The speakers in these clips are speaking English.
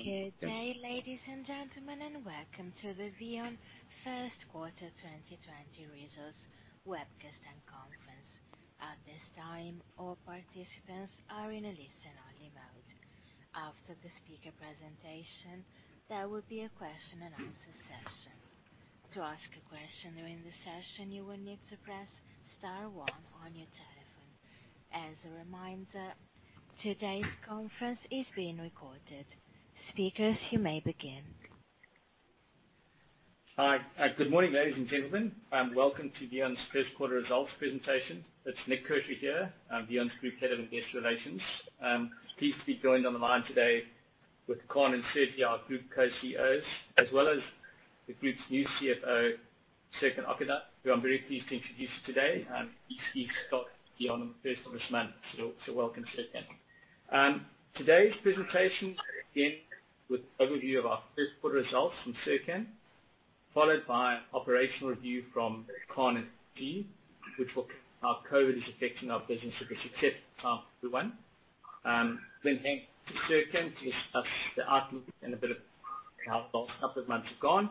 Good day, ladies and gentlemen, and welcome to the VEON first quarter 2020 results webcast and conference. At this time, all participants are in a listen-only mode. After the speaker presentation, there will be a question and answer session. To ask a question during the session, you will need to press star one on your telephone. As a reminder, today's conference is being recorded. Speakers, you may begin. Hi. Good morning, ladies and gentlemen. Welcome to VEON's first quarter results presentation. It's Nik Kershaw here, VEON's Group Director, Investor Relations. I'm pleased to be joined on the line today with Kaan and Sergi, our Group Co-CEOs, as well as the Group's new CFO, Serkan Okandan, who I'm very pleased to introduce today. He started at VEON on the first of this month. Welcome, Serkan. Today's presentation will begin with an overview of our first quarter results from Serkan, followed by an operational review from Kaan and team, which will cover how COVID-19 is affecting our business. It was a tough time for everyone. Thanks to Serkan to discuss the outlook and a bit of how the last couple of months have gone.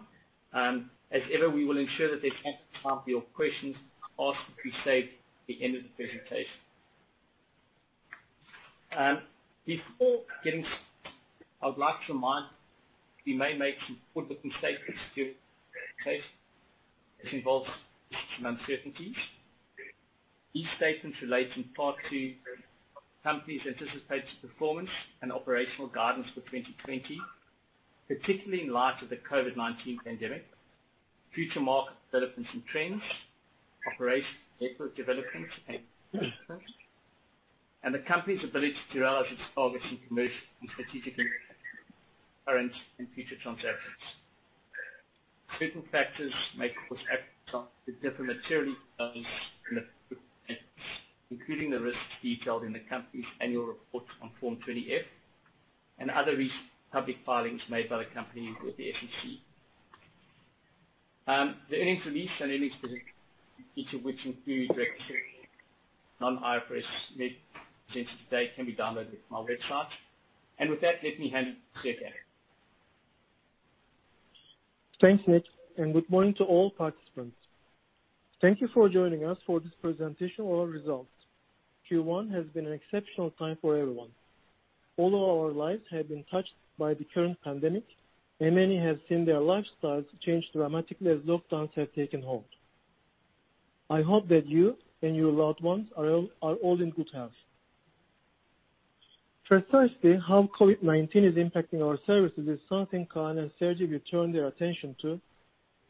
As ever, we will ensure that there's ample time for your questions asked to be saved at the end of the presentation. Before getting started, I would like to remind you we may make some forward-looking statements during the presentation. This involves risks and uncertainties. These statements relate in part to company's anticipated performance and operational guidance for 2020, particularly in light of the COVID-19 pandemic, future market developments and trends, operations network developments, and the company's ability to realize its targets in commercial and strategic initiatives, current and future transactions. Certain factors may cause actual to differ materially from those in the forward statements, including the risks detailed in the company's annual reports on Form 20-F and other recent public filings made by the company with the SEC. The earnings release and earnings presentation, each of which include reconciliation non-IFRS measures since today can be downloaded from our website. With that, let me hand you to Serkan. Thanks, Nik, and good morning to all participants. Thank you for joining us for this presentation of our results. Q1 has been an exceptional time for everyone. All of our lives have been touched by the current pandemic, and many have seen their lifestyles change dramatically as lockdowns have taken hold. I hope that you and your loved ones are all in good health. Precisely how COVID-19 is impacting our services is something Kaan and Sergi will turn their attention to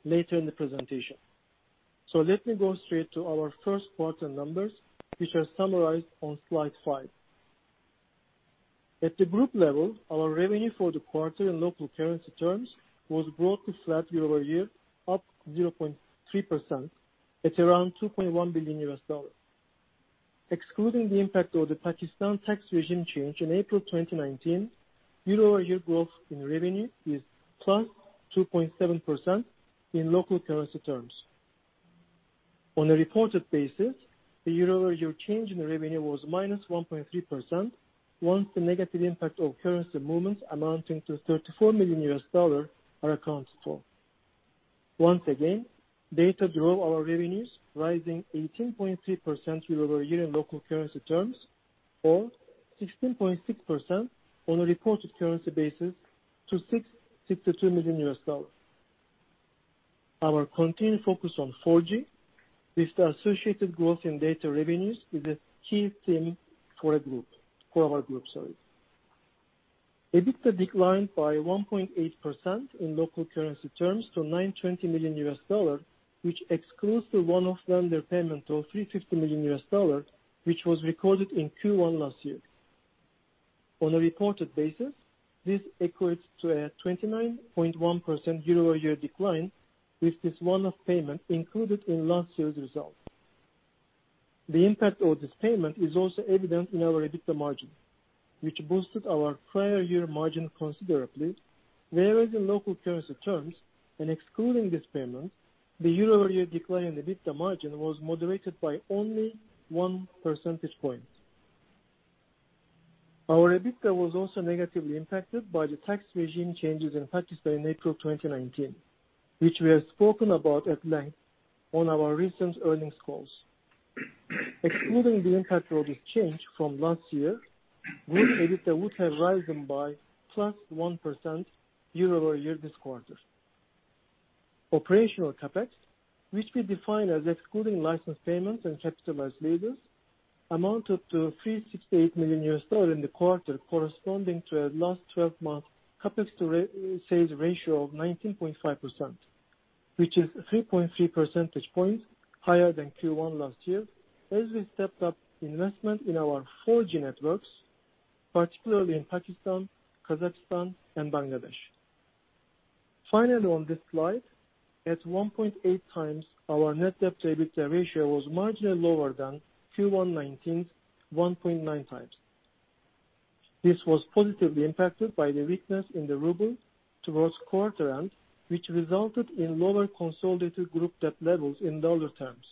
later in the presentation. Let me go straight to our first quarter numbers, which are summarized on slide five. At the group level, our revenue for the quarter in local currency terms was broadly flat year-over-year, up 0.3% at around $2.1 billion. Excluding the impact of the Pakistan tax regime change in April 2019, year-over-year growth in revenue is +2.7% in local currency terms. On a reported basis, the year-over-year change in revenue was -1.3% once the negative impact of currency movements amounting to $34 million are accounted for. Once again, data drove our revenues, rising 18.3% year-over-year in local currency terms, or 16.6% on a reported currency basis to $662 million. Our continued focus on 4G with the associated growth in data revenues is a key theme for our group. EBITDA declined by 1.8% in local currency terms to $920 million, which excludes the one-off vendor payment of $350 million, which was recorded in Q1 last year. On a reported basis, this equates to a 29.1% year-over-year decline, with this one-off payment included in last year's results. The impact of this payment is also evident in our EBITDA margin, which boosted our prior year margin considerably, whereas in local currency terms and excluding this payment, the year-over-year decline in EBITDA margin was moderated by only one percentage point. Our EBITDA was also negatively impacted by the tax regime changes in Pakistan in April 2019, which we have spoken about at length on our recent earnings calls. Excluding the impact of this change from last year, our EBITDA would have risen by +1% year-over-year this quarter. Operational CapEx, which we define as excluding license payments and capitalized leases, amounted to $368 million in the quarter, corresponding to a last 12-month CapEx to sales ratio of 19.5%, which is 3.3 percentage points higher than Q1 last year, as we stepped up investment in our 4G networks, particularly in Pakistan, Kazakhstan, and Bangladesh. Finally on this slide, at 1.8x, our net debt to EBITDA ratio was marginally lower than Q1 2019's 1.9x. This was positively impacted by the weakness in the ruble towards quarter end, which resulted in lower consolidated group debt levels in USD terms.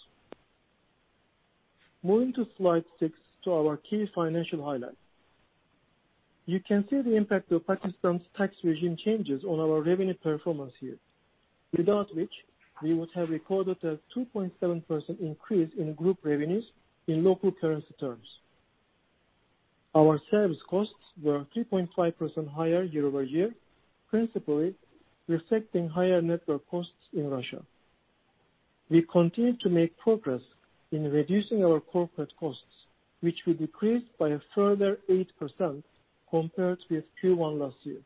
Moving to slide six, to our key financial highlights. You can see the impact of Pakistan's tax regime changes on our revenue performance here. Without which, we would have recorded a 2.7% increase in group revenues in local currency terms. Our service costs were 3.5% higher year-over-year, principally reflecting higher network costs in Russia. We continue to make progress in reducing our corporate costs, which were decreased by a further 8% compared with Q1 last year.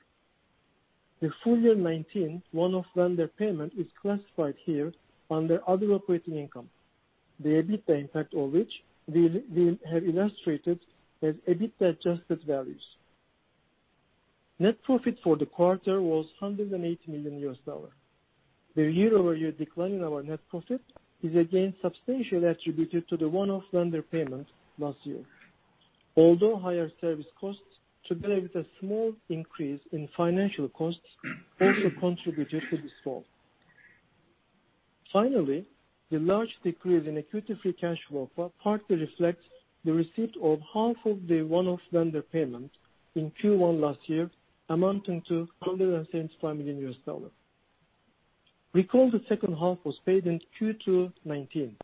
The full year 2019, one-off vendor payment is classified here under other operating income. The EBITDA impact of which we have illustrated as EBITDA-adjusted values. Net profit for the quarter was $180 million. The year-over-year decline in our net profit is again substantially attributed to the one-off vendor payment last year. Higher service costs, together with a small increase in financial costs, also contributed to this fall. Finally, the large decrease in equity free cash flow partly reflects the receipt of half of the one-off vendor payment in Q1 last year, amounting to $165 million. Recall the second half was paid in Q2 '19,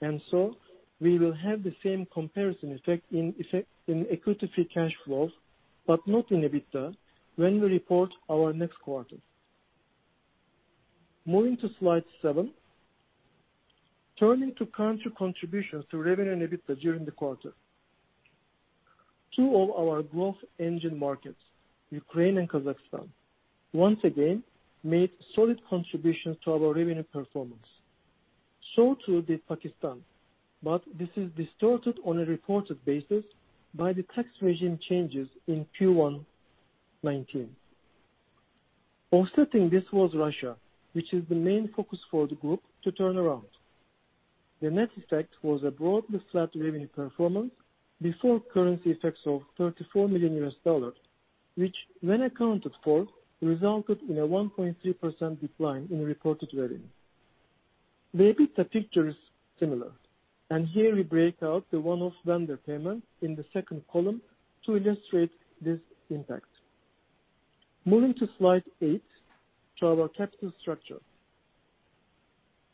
and so we will have the same comparison effect in equity free cash flow, but not in EBITDA, when we report our next quarter. Moving to slide seven. Turning to country contributions to revenue and EBITDA during the quarter. Two of our growth engine markets, Ukraine and Kazakhstan, once again made solid contributions to our revenue performance. Too did Pakistan, but this is distorted on a reported basis by the tax regime changes in Q1 2019. Offsetting this was Russia, which is the main focus for the group to turn around. The net effect was a broadly flat revenue performance before currency effects of $34 million, which when accounted for, resulted in a 1.3% decline in reported revenue. The EBITDA picture is similar, and here we break out the one-off vendor payment in the second column to illustrate this impact. Moving to slide eight, to our capital structure.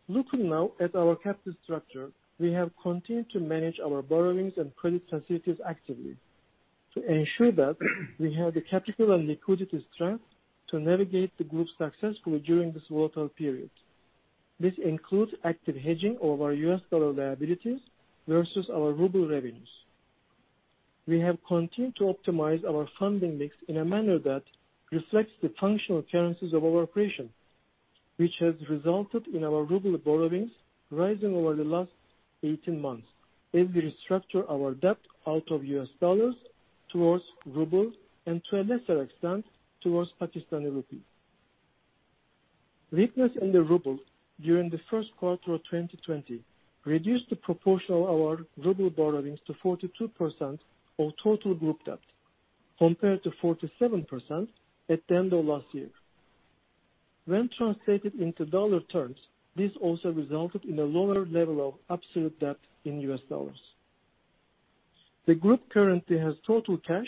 Looking now at our capital structure, we have continued to manage our borrowings and credit sensitivities actively to ensure that we have the capital and liquidity strength to navigate the group successfully during this volatile period. This includes active hedging of our U.S. dollar liabilities versus our ruble revenues. We have continued to optimize our funding mix in a manner that reflects the functional currencies of our operation, which has resulted in our ruble borrowings rising over the last 18 months as we restructure our debt out of US dollars towards rubles, and to a lesser extent, towards Pakistani rupee. Weakness in the ruble during the first quarter of 2020 reduced the proportion of our ruble borrowings to 42% of total group debt, compared to 47% at the end of last year. When translated into dollar terms, this also resulted in a lower level of absolute debt in US dollars. The group currently has total cash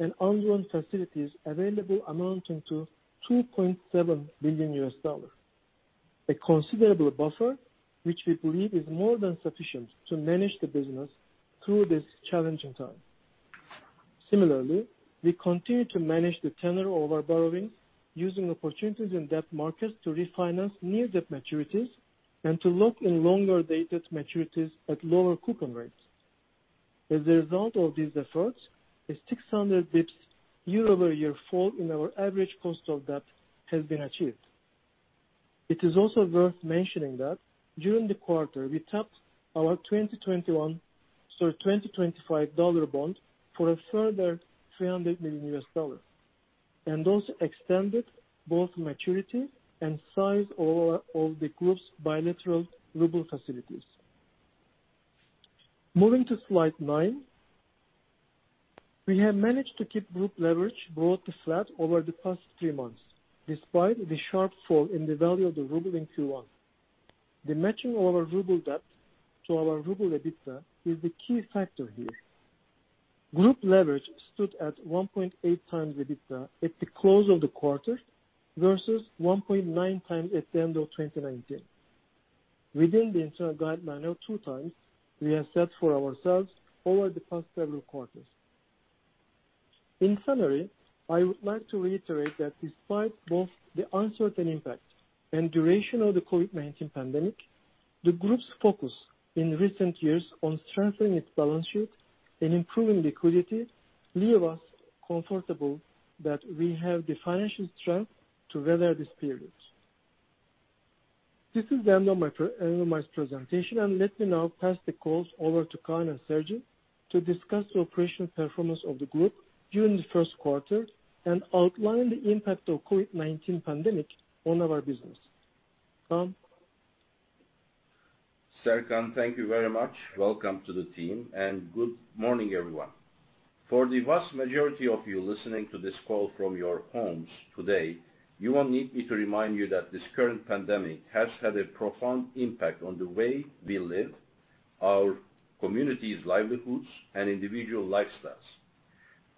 and undrawn facilities available amounting to $2.7 billion. A considerable buffer, which we believe is more than sufficient to manage the business through this challenging time. Similarly, we continue to manage the tenor of our borrowings, using opportunities in debt markets to refinance near debt maturities and to lock in longer-dated maturities at lower coupon rates. As a result of these efforts, a 600 basis points year-over-year fall in our average cost of debt has been achieved. It is also worth mentioning that during the quarter, we tapped our 2025 dollar bond for a further $300 million, and also extended both maturity and size of the group's bilateral ruble facilities. Moving to slide nine. We have managed to keep group leverage broadly flat over the past three months, despite the sharp fall in the value of the ruble in Q1. The matching of our ruble debt to our ruble EBITDA is the key factor here. Group leverage stood at 1.8x EBITDA at the close of the quarter versus 1.9x at the end of 2019, within the internal guideline of two times we have set for ourselves over the past several quarters. In summary, I would like to reiterate that despite both the uncertain impact and duration of the COVID-19 pandemic, the group's focus in recent years on strengthening its balance sheet and improving liquidity leave us comfortable that we have the financial strength to weather this period. This is the end of my presentation, and let me now pass the calls over to Kaan and Sergi to discuss the operational performance of the group during the first quarter and outline the impact of COVID-19 pandemic on our business. Kaan? Serkan, thank you very much. Welcome to the team, and good morning, everyone. For the vast majority of you listening to this call from your homes today, you won't need me to remind you that this current pandemic has had a profound impact on the way we live, our communities' livelihoods, and individual lifestyles.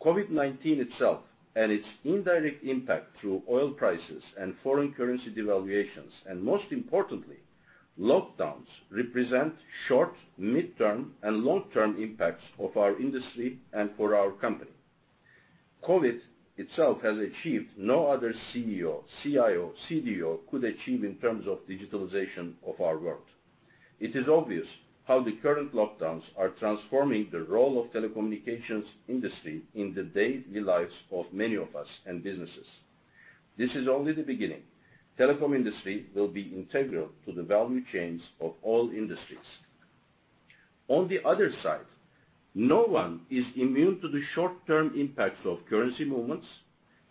COVID-19 itself and its indirect impact through oil prices and foreign currency devaluations, and most importantly, lockdowns represent short, midterm, and long-term impacts of our industry and for our company. COVID itself has achieved what no other CEO, CIO, CDO could achieve in terms of digitalization of our world. It is obvious how the current lockdowns are transforming the role of telecommunications industry in the daily lives of many of us and businesses. This is only the beginning. Telecom industry will be integral to the value chains of all industries. On the other side, no one is immune to the short-term impacts of currency movements,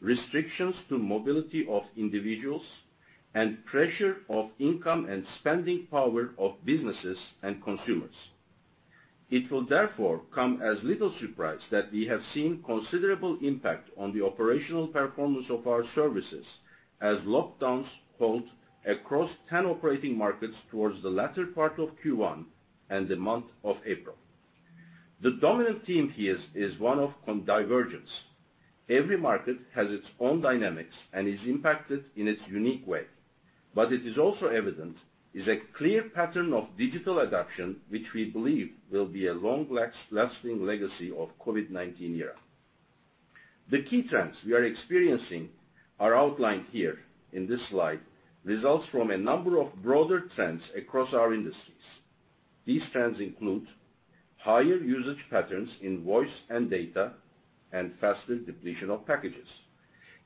restrictions to mobility of individuals, and pressure of income and spending power of businesses and consumers. It will therefore come as little surprise that we have seen considerable impact on the operational performance of our services as lockdowns hold across 10 operating markets towards the latter part of Q1 and the month of April. The dominant theme here is one of divergence. Every market has its own dynamics and is impacted in its unique way. What is also evident is a clear pattern of digital adaptation, which we believe will be a long-lasting legacy of COVID-19 era. The key trends we are experiencing are outlined here in this slide, results from a number of broader trends across our industries. These trends include higher usage patterns in voice and data, and faster depletion of packages.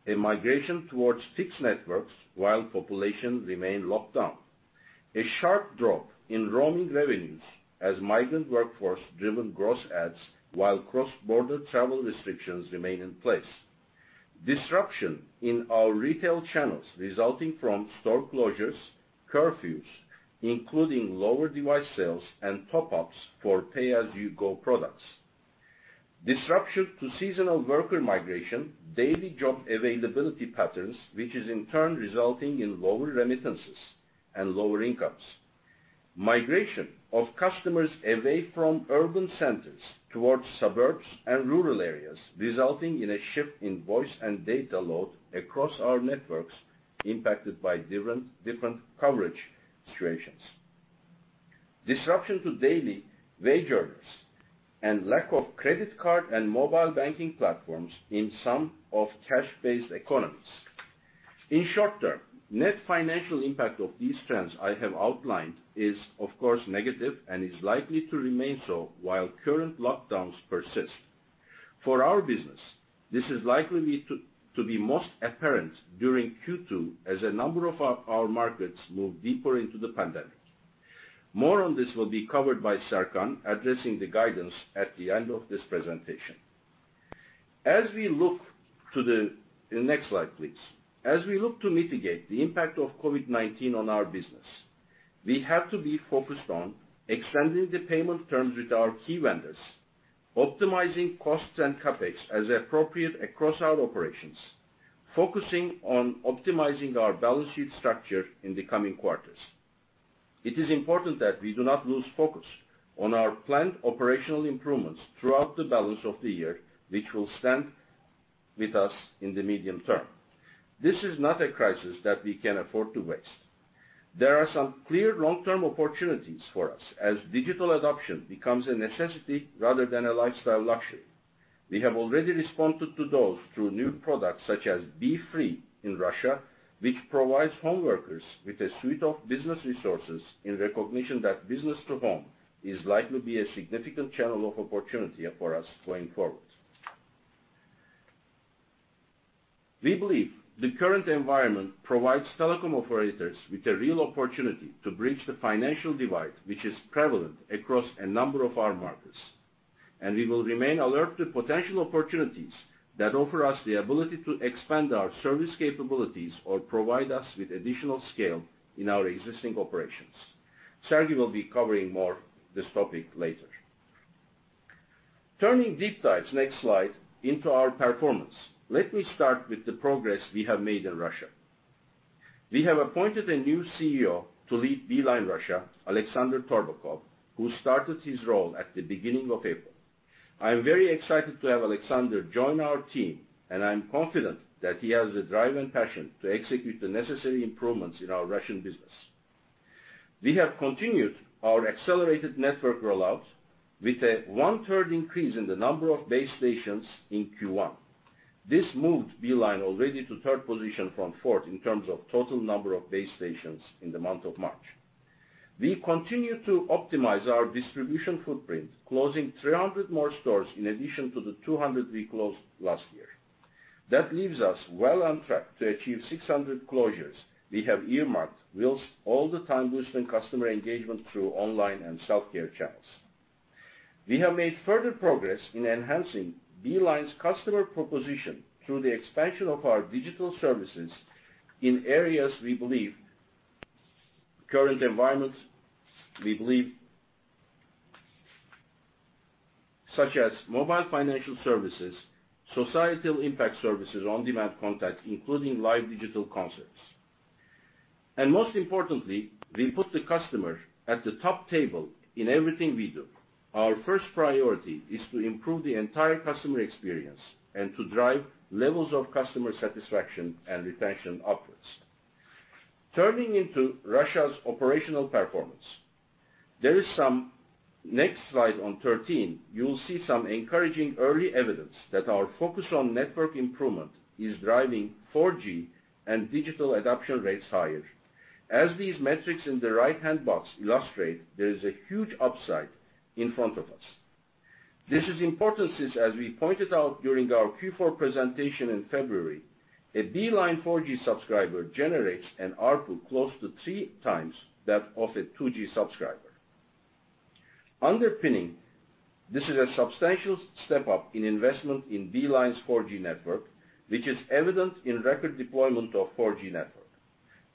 A migration towards fixed networks while populations remain locked down. A sharp drop in roaming revenues as migrant workforce driven gross adds while cross-border travel restrictions remain in place. Disruption in our retail channels resulting from store closures, curfews, including lower device sales and top-ups for pay-as-you-go products. Disruption to seasonal worker migration, daily job availability patterns, which is in turn resulting in lower remittances and lower incomes. Migration of customers away from urban centers towards suburbs and rural areas, resulting in a shift in voice and data load across our networks impacted by different coverage situations. Disruption to daily wage earners and lack of credit card and mobile banking platforms in some of cash-based economies. In short term, net financial impact of these trends I have outlined is, of course, negative and is likely to remain so while current lockdowns persist. For our business, this is likely to be most apparent during Q2 as a number of our markets move deeper into the pandemic. More on this will be covered by Serkan, addressing the guidance at the end of this presentation. The next slide, please. As we look to mitigate the impact of COVID-19 on our business, we have to be focused on extending the payment terms with our key vendors, optimizing costs and CapEx as appropriate across our operations, focusing on optimizing our balance sheet structure in the coming quarters. It is important that we do not lose focus on our planned operational improvements throughout the balance of the year, which will stand with us in the medium term. This is not a crisis that we can afford to waste. There are some clear long-term opportunities for us as digital adoption becomes a necessity rather than a lifestyle luxury. We have already responded to those through new products such as BeFree in Russia, which provides home workers with a suite of business resources in recognition that business to home is likely be a significant channel of opportunity for us going forward. We believe the current environment provides telecom operators with a real opportunity to bridge the financial divide, which is prevalent across a number of our markets. We will remain alert to potential opportunities that offer us the ability to expand our service capabilities or provide us with additional scale in our existing operations. Sergi will be covering more this topic later. Turning deep dives, next slide, into our performance. Let me start with the progress we have made in Russia. We have appointed a new CEO to lead Beeline Russia, Alexander Torbakhov, who started his role at the beginning of April. I am very excited to have Alexander join our team, and I am confident that he has the drive and passion to execute the necessary improvements in our Russian business. We have continued our accelerated network rollout with a one-third increase in the number of base stations in Q1. This moved Beeline already to third position from fourth in terms of total number of base stations in the month of March. We continue to optimize our distribution footprint, closing 300 more stores in addition to the 200 we closed last year. That leaves us well on track to achieve 600 closures we have earmarked whilst all the time boosting customer engagement through online and self-care channels. We have made further progress in enhancing Beeline's customer proposition through the expansion of our digital services in areas we believe, such as mobile financial services, societal impact services, on-demand content, including live digital concerts. Most importantly, we put the customer at the top table in everything we do. Our first priority is to improve the entire customer experience and to drive levels of customer satisfaction and retention upwards. Turning into Russia's operational performance. Next slide 13, you'll see some encouraging early evidence that our focus on network improvement is driving 4G and digital adoption rates higher. As these metrics in the right-hand box illustrate, there is a huge upside in front of us. This is important since, as we pointed out during our Q4 presentation in February, a Beeline 4G subscriber generates an ARPU close to three times that of a 2G subscriber. Underpinning this is a substantial step up in investment in Beeline's 4G network, which is evident in record deployment of 4G network.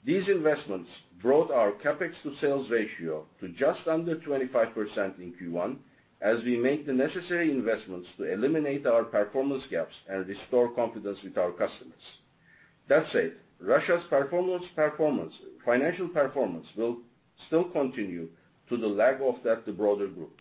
These investments brought our CapEx to sales ratio to just under 25% in Q1, as we make the necessary investments to eliminate our performance gaps and restore confidence with our customers. That said, Russia's financial performance will still continue to lag that of the broader group.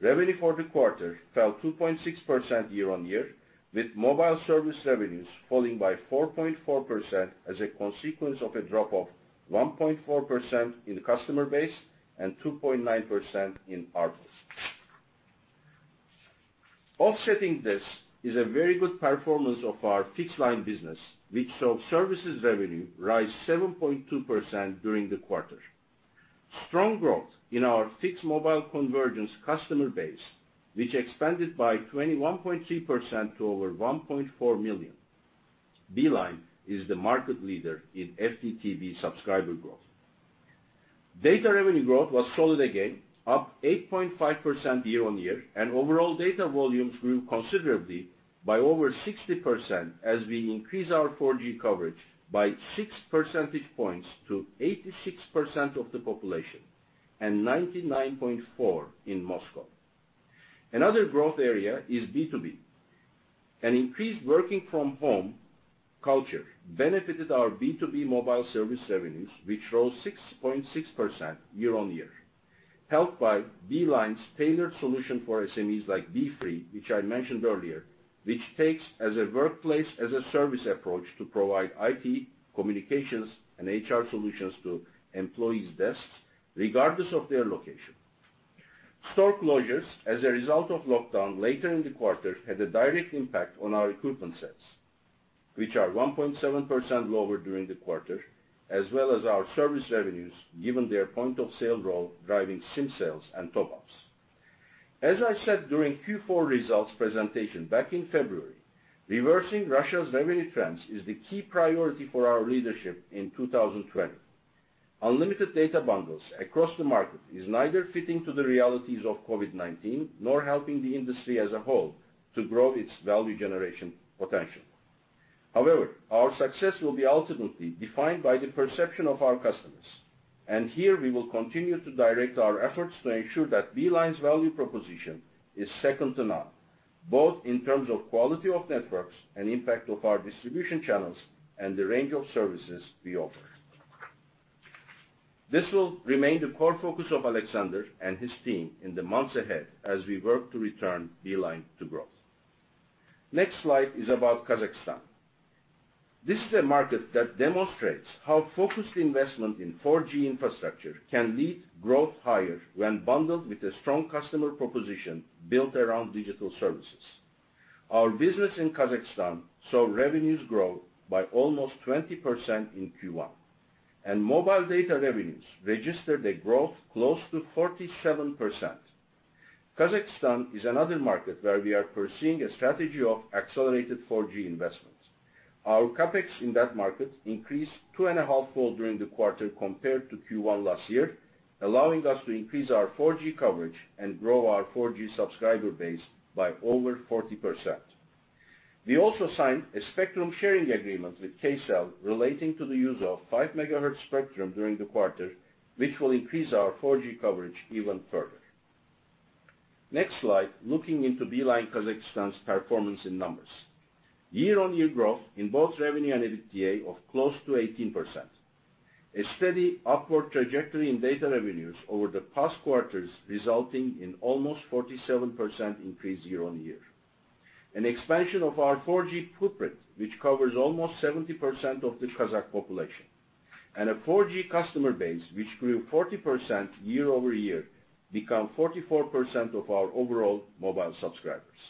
Revenue for the quarter fell 2.6% year-on-year, with mobile service revenues falling by 4.4% as a consequence of a drop of 1.4% in customer base and 2.9% in ARPU. Offsetting this is a very good performance of our fixed line business, which saw services revenue rise 7.2% during the quarter. Strong growth in our fixed mobile convergence customer base, which expanded by 21.3% to over 1.4 million. Beeline is the market leader in FTTB subscriber growth. Data revenue growth was solid again, up 8.5% year-on-year, and overall data volumes grew considerably by over 60% as we increase our 4G coverage by six percentage points to 86% of the population and 99.4% in Moscow. Another growth area is B2B. An increased working-from-home culture benefited our B2B mobile service revenues, which rose 6.6% year-on-year. Helped by Beeline's tailored solution for SMEs like BeFree, which I mentioned earlier, which takes as a workplace-as-a-service approach to provide IT, communications, and HR solutions to employees' desks, regardless of their location. Store closures as a result of lockdown later in the quarter had a direct impact on our equipment sales, which are 1.7% lower during the quarter, as well as our service revenues, given their point-of-sale role driving SIM sales and top-ups. As I said during Q4 results presentation back in February, reversing Russia's revenue trends is the key priority for our leadership in 2020. Unlimited data bundles across the market is neither fitting to the realities of COVID-19 nor helping the industry as a whole to grow its value generation potential. However, our success will be ultimately defined by the perception of our customers, and here we will continue to direct our efforts to ensure that Beeline's value proposition is second to none, both in terms of quality of networks and impact of our distribution channels and the range of services we offer. This will remain the core focus of Alexander and his team in the months ahead as we work to return Beeline to growth. Next slide is about Kazakhstan. This is a market that demonstrates how focused investment in 4G infrastructure can lead growth higher when bundled with a strong customer proposition built around digital services. Our business in Kazakhstan saw revenues grow by almost 20% in Q1, and mobile data revenues registered a growth close to 47%. Kazakhstan is another market where we are pursuing a strategy of accelerated 4G investments. Our CapEx in that market increased two and a half fold during the quarter compared to Q1 last year, allowing us to increase our 4G coverage and grow our 4G subscriber base by over 40%. We also signed a spectrum sharing agreement with Kcell relating to the use of 5 MHz spectrum during the quarter, which will increase our 4G coverage even further. Next slide, looking into Beeline Kazakhstan's performance in numbers. Year-over-year growth in both revenue and EBITDA of close to 18%. A steady upward trajectory in data revenues over the past quarters, resulting in almost 47% increase year-over-year. An expansion of our 4G footprint, which covers almost 70% of the Kazakh population, and a 4G customer base, which grew 40% year-over-year, become 44% of our overall mobile subscribers.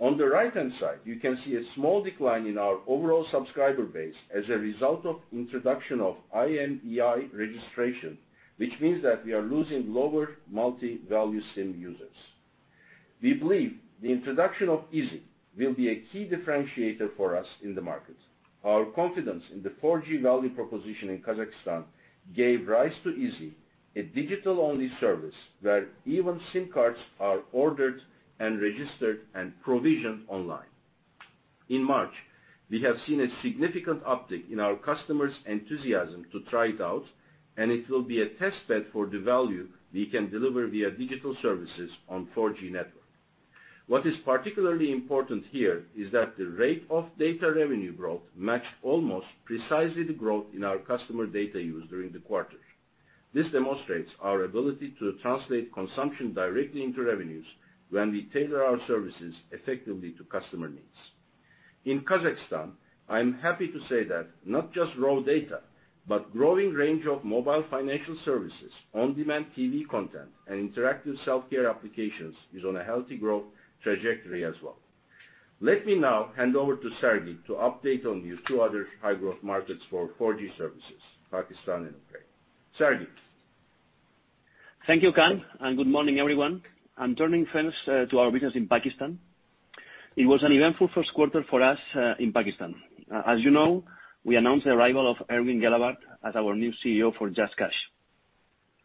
On the right-hand side, you can see a small decline in our overall subscriber base as a result of introduction of IMEI registration, which means that we are losing lower multi-value SIM users. We believe the introduction of Easy will be a key differentiator for us in the market. Our confidence in the 4G value proposition in Kazakhstan gave rise to Easy, a digital-only service where even SIM cards are ordered and registered and provisioned online. In March, we have seen a significant uptick in our customers' enthusiasm to try it out, and it will be a test bed for the value we can deliver via digital services on 4G network. What is particularly important here is that the rate of data revenue growth matched almost precisely the growth in our customer data use during the quarter. This demonstrates our ability to translate consumption directly into revenues when we tailor our services effectively to customer needs. In Kazakhstan, I am happy to say that not just raw data, but growing range of mobile financial services, on-demand TV content, and interactive self-care applications is on a healthy growth trajectory as well. Let me now hand over to Sergi to update on these two other high-growth markets for 4G services, Pakistan and Ukraine. Sergi? Thank you, Kaan, and good morning, everyone. I'm turning first to our business in Pakistan. It was an eventful first quarter for us in Pakistan. As you know, we announced the arrival of Erwan Gelebart as our new CEO for JazzCash.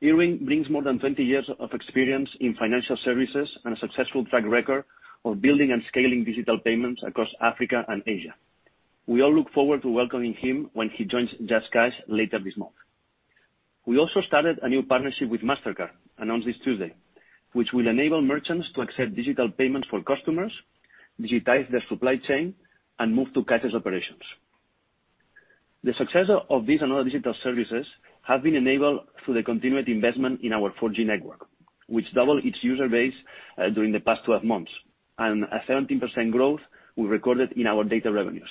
Erwin brings more than 20 years of experience in financial services and a successful track record of building and scaling digital payments across Africa and Asia. We all look forward to welcoming him when he joins JazzCash later this month. We also started a new partnership with Mastercard, announced this Tuesday, which will enable merchants to accept digital payments for customers, digitize their supply chain, and move to cashless operations. The success of these and other digital services have been enabled through the continued investment in our 4G network, which doubled its user base during the past 12 months, and a 17% growth we recorded in our data revenues.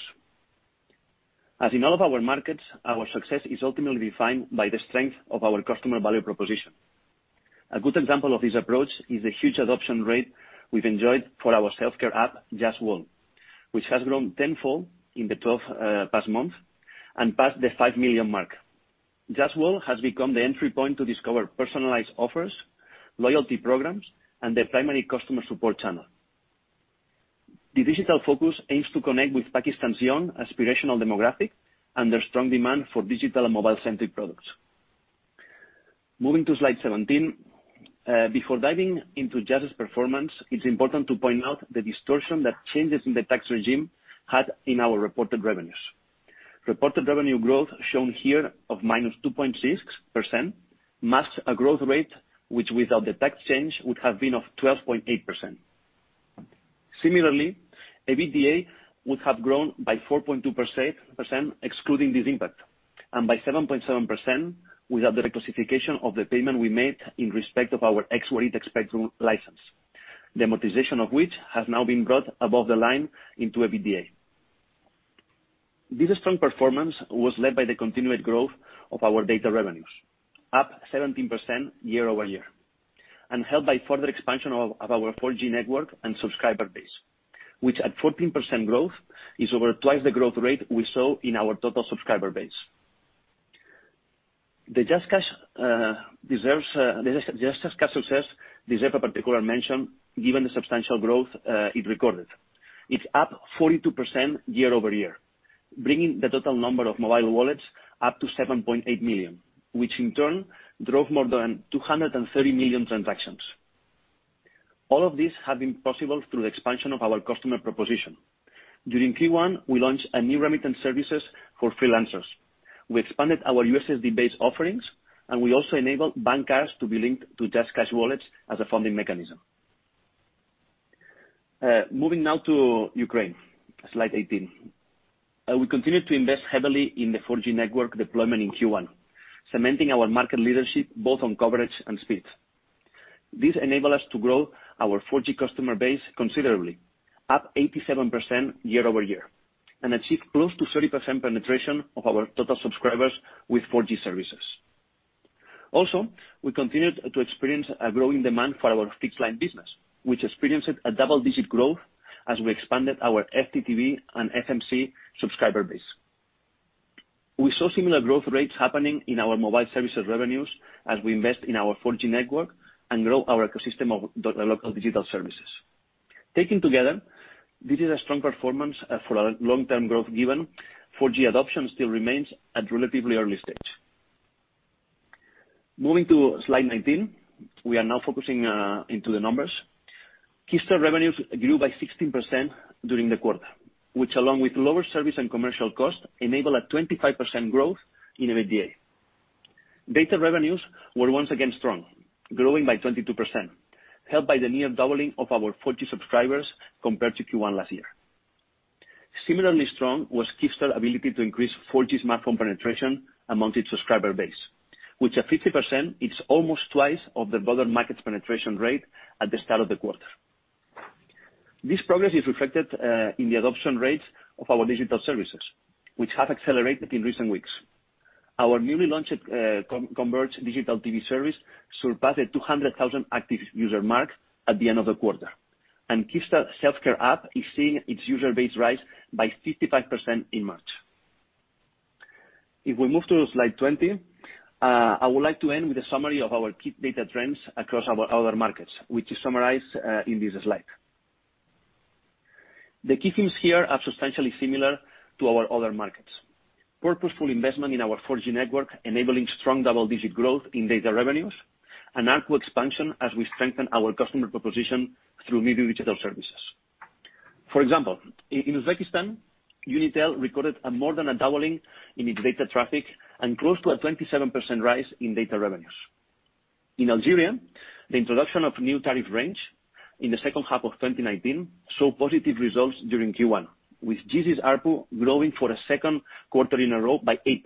As in all of our markets, our success is ultimately defined by the strength of our customer value proposition. A good example of this approach is the huge adoption rate we've enjoyed for our self-care app, JazzWorld, which has grown tenfold in the 12 past months and passed the 5 million mark. JazzWorld has become the entry point to discover personalized offers, loyalty programs, and the primary customer support channel. The digital focus aims to connect with Pakistan's young, aspirational demographic, and their strong demand for digital and mobile-centric products. Moving to slide 17. Before diving into Jazz's performance, it's important to point out the distortion that changes in the tax regime had in our reported revenues. Reported revenue growth shown here of -2.6% marks a growth rate which without the tax change would have been of 12.8%. Similarly, EBITDA would have grown by 4.2% excluding this impact, and by 7.7% without the reclassification of the payment we made in respect of our nationwide spectrum license, democratization of which has now been brought above the line into EBITDA. This strong performance was led by the continued growth of our data revenues, up 17% year-over-year, and helped by further expansion of our 4G network and subscriber base, which at 14% growth is over twice the growth rate we saw in our total subscriber base. The JazzCash success deserves a particular mention given the substantial growth it recorded. It's up 42% year-over-year, bringing the total number of mobile wallets up to 7.8 million, which in turn drove more than 230 million transactions. All of this has been possible through the expansion of our customer proposition. During Q1, we launched a new remittance services for freelancers. We expanded our USD-based offerings. We also enabled bank cards to be linked to JazzCash wallets as a funding mechanism. Moving now to Ukraine, slide 18. We continue to invest heavily in the 4G network deployment in Q1, cementing our market leadership both on coverage and speed. This enabled us to grow our 4G customer base considerably, up 87% year-over-year, and achieve close to 30% penetration of our total subscribers with 4G services. Also, we continued to experience a growing demand for our fixed-line business, which experienced a double-digit growth as we expanded our FTTB and FMC subscriber base. We saw similar growth rates happening in our mobile services revenues as we invest in our 4G network and grow our ecosystem of local digital services. Taken together, this is a strong performance for our long-term growth, given 4G adoption still remains at relatively early stage. Moving to slide 19. We are now focusing into the numbers. Kyivstar revenues grew by 16% during the quarter, which along with lower service and commercial costs, enabled a 25% growth in EBITDA. Data revenues were once again strong, growing by 22%, helped by the near doubling of our 4G subscribers compared to Q1 last year. Similarly strong was Kyivstar ability to increase 4G smartphone penetration among its subscriber base, which at 50% is almost twice of the broader market penetration rate at the start of the quarter. This progress is reflected in the adoption rates of our digital services, which have accelerated in recent weeks. Our newly launched converged digital TV service surpassed the 200,000 active user mark at the end of the quarter, and Kyivstar self-care app is seeing its user base rise by 55% in March. If we move to slide 20, I would like to end with a summary of our key data trends across our other markets, which is summarized in this slide. The key themes here are substantially similar to our other markets, purposeful investment in our 4G network, enabling strong double-digit growth in data revenues, and ARPU expansion as we strengthen our customer proposition through new digital services. For example, in Uzbekistan, Unitel recorded more than a doubling in its data traffic and close to a 27% rise in data revenues. In Algeria, the introduction of new tariff range in the second half of 2019, saw positive results during Q1, with Djezzy ARPU growing for a second quarter in a row by 8%.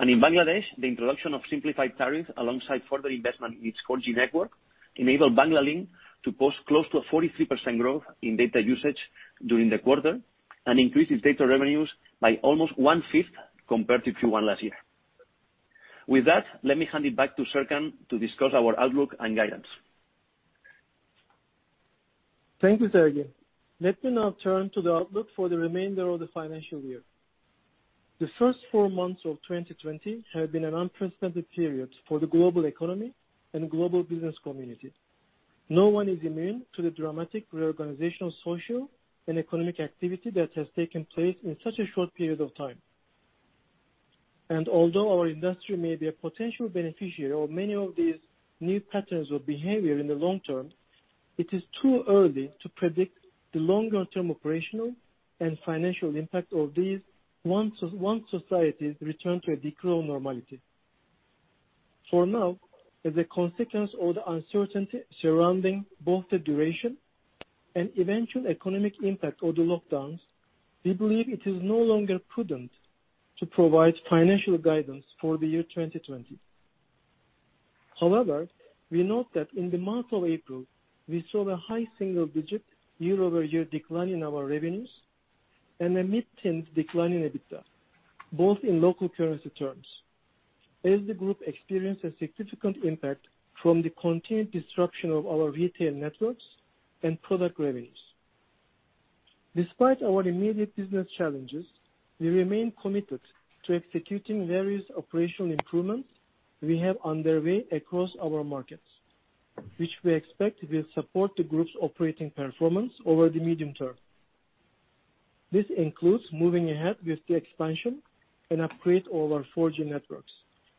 In Bangladesh, the introduction of simplified tariff alongside further investment in its 4G network enabled Banglalink to post close to a 43% growth in data usage during the quarter and increase its data revenues by almost 1/5 compared to Q1 last year. With that, let me hand it back to Serkan to discuss our outlook and guidance. Thank you, Sergi. Let me now turn to the outlook for the remainder of the financial year. The first four months of 2020 have been an unprecedented period for the global economy and global business community. No one is immune to the dramatic reorganization of social and economic activity that has taken place in such a short period of time. Although our industry may be a potential beneficiary of many of these new patterns of behavior in the long term, it is too early to predict the longer-term operational and financial impact of these once societies return to a declared normality. For now, as a consequence of the uncertainty surrounding both the duration and eventual economic impact of the lockdowns, we believe it is no longer prudent to provide financial guidance for the year 2020. However, we note that in the month of April, we saw a high single digit year-over-year decline in our revenues and a mid-teen decline in EBITDA, both in local currency terms, as the group experienced a significant impact from the continued disruption of our retail networks and product revenues. Despite our immediate business challenges, we remain committed to executing various operational improvements we have underway across our markets, which we expect will support the group's operating performance over the medium term. This includes moving ahead with the expansion and upgrade of our 4G networks,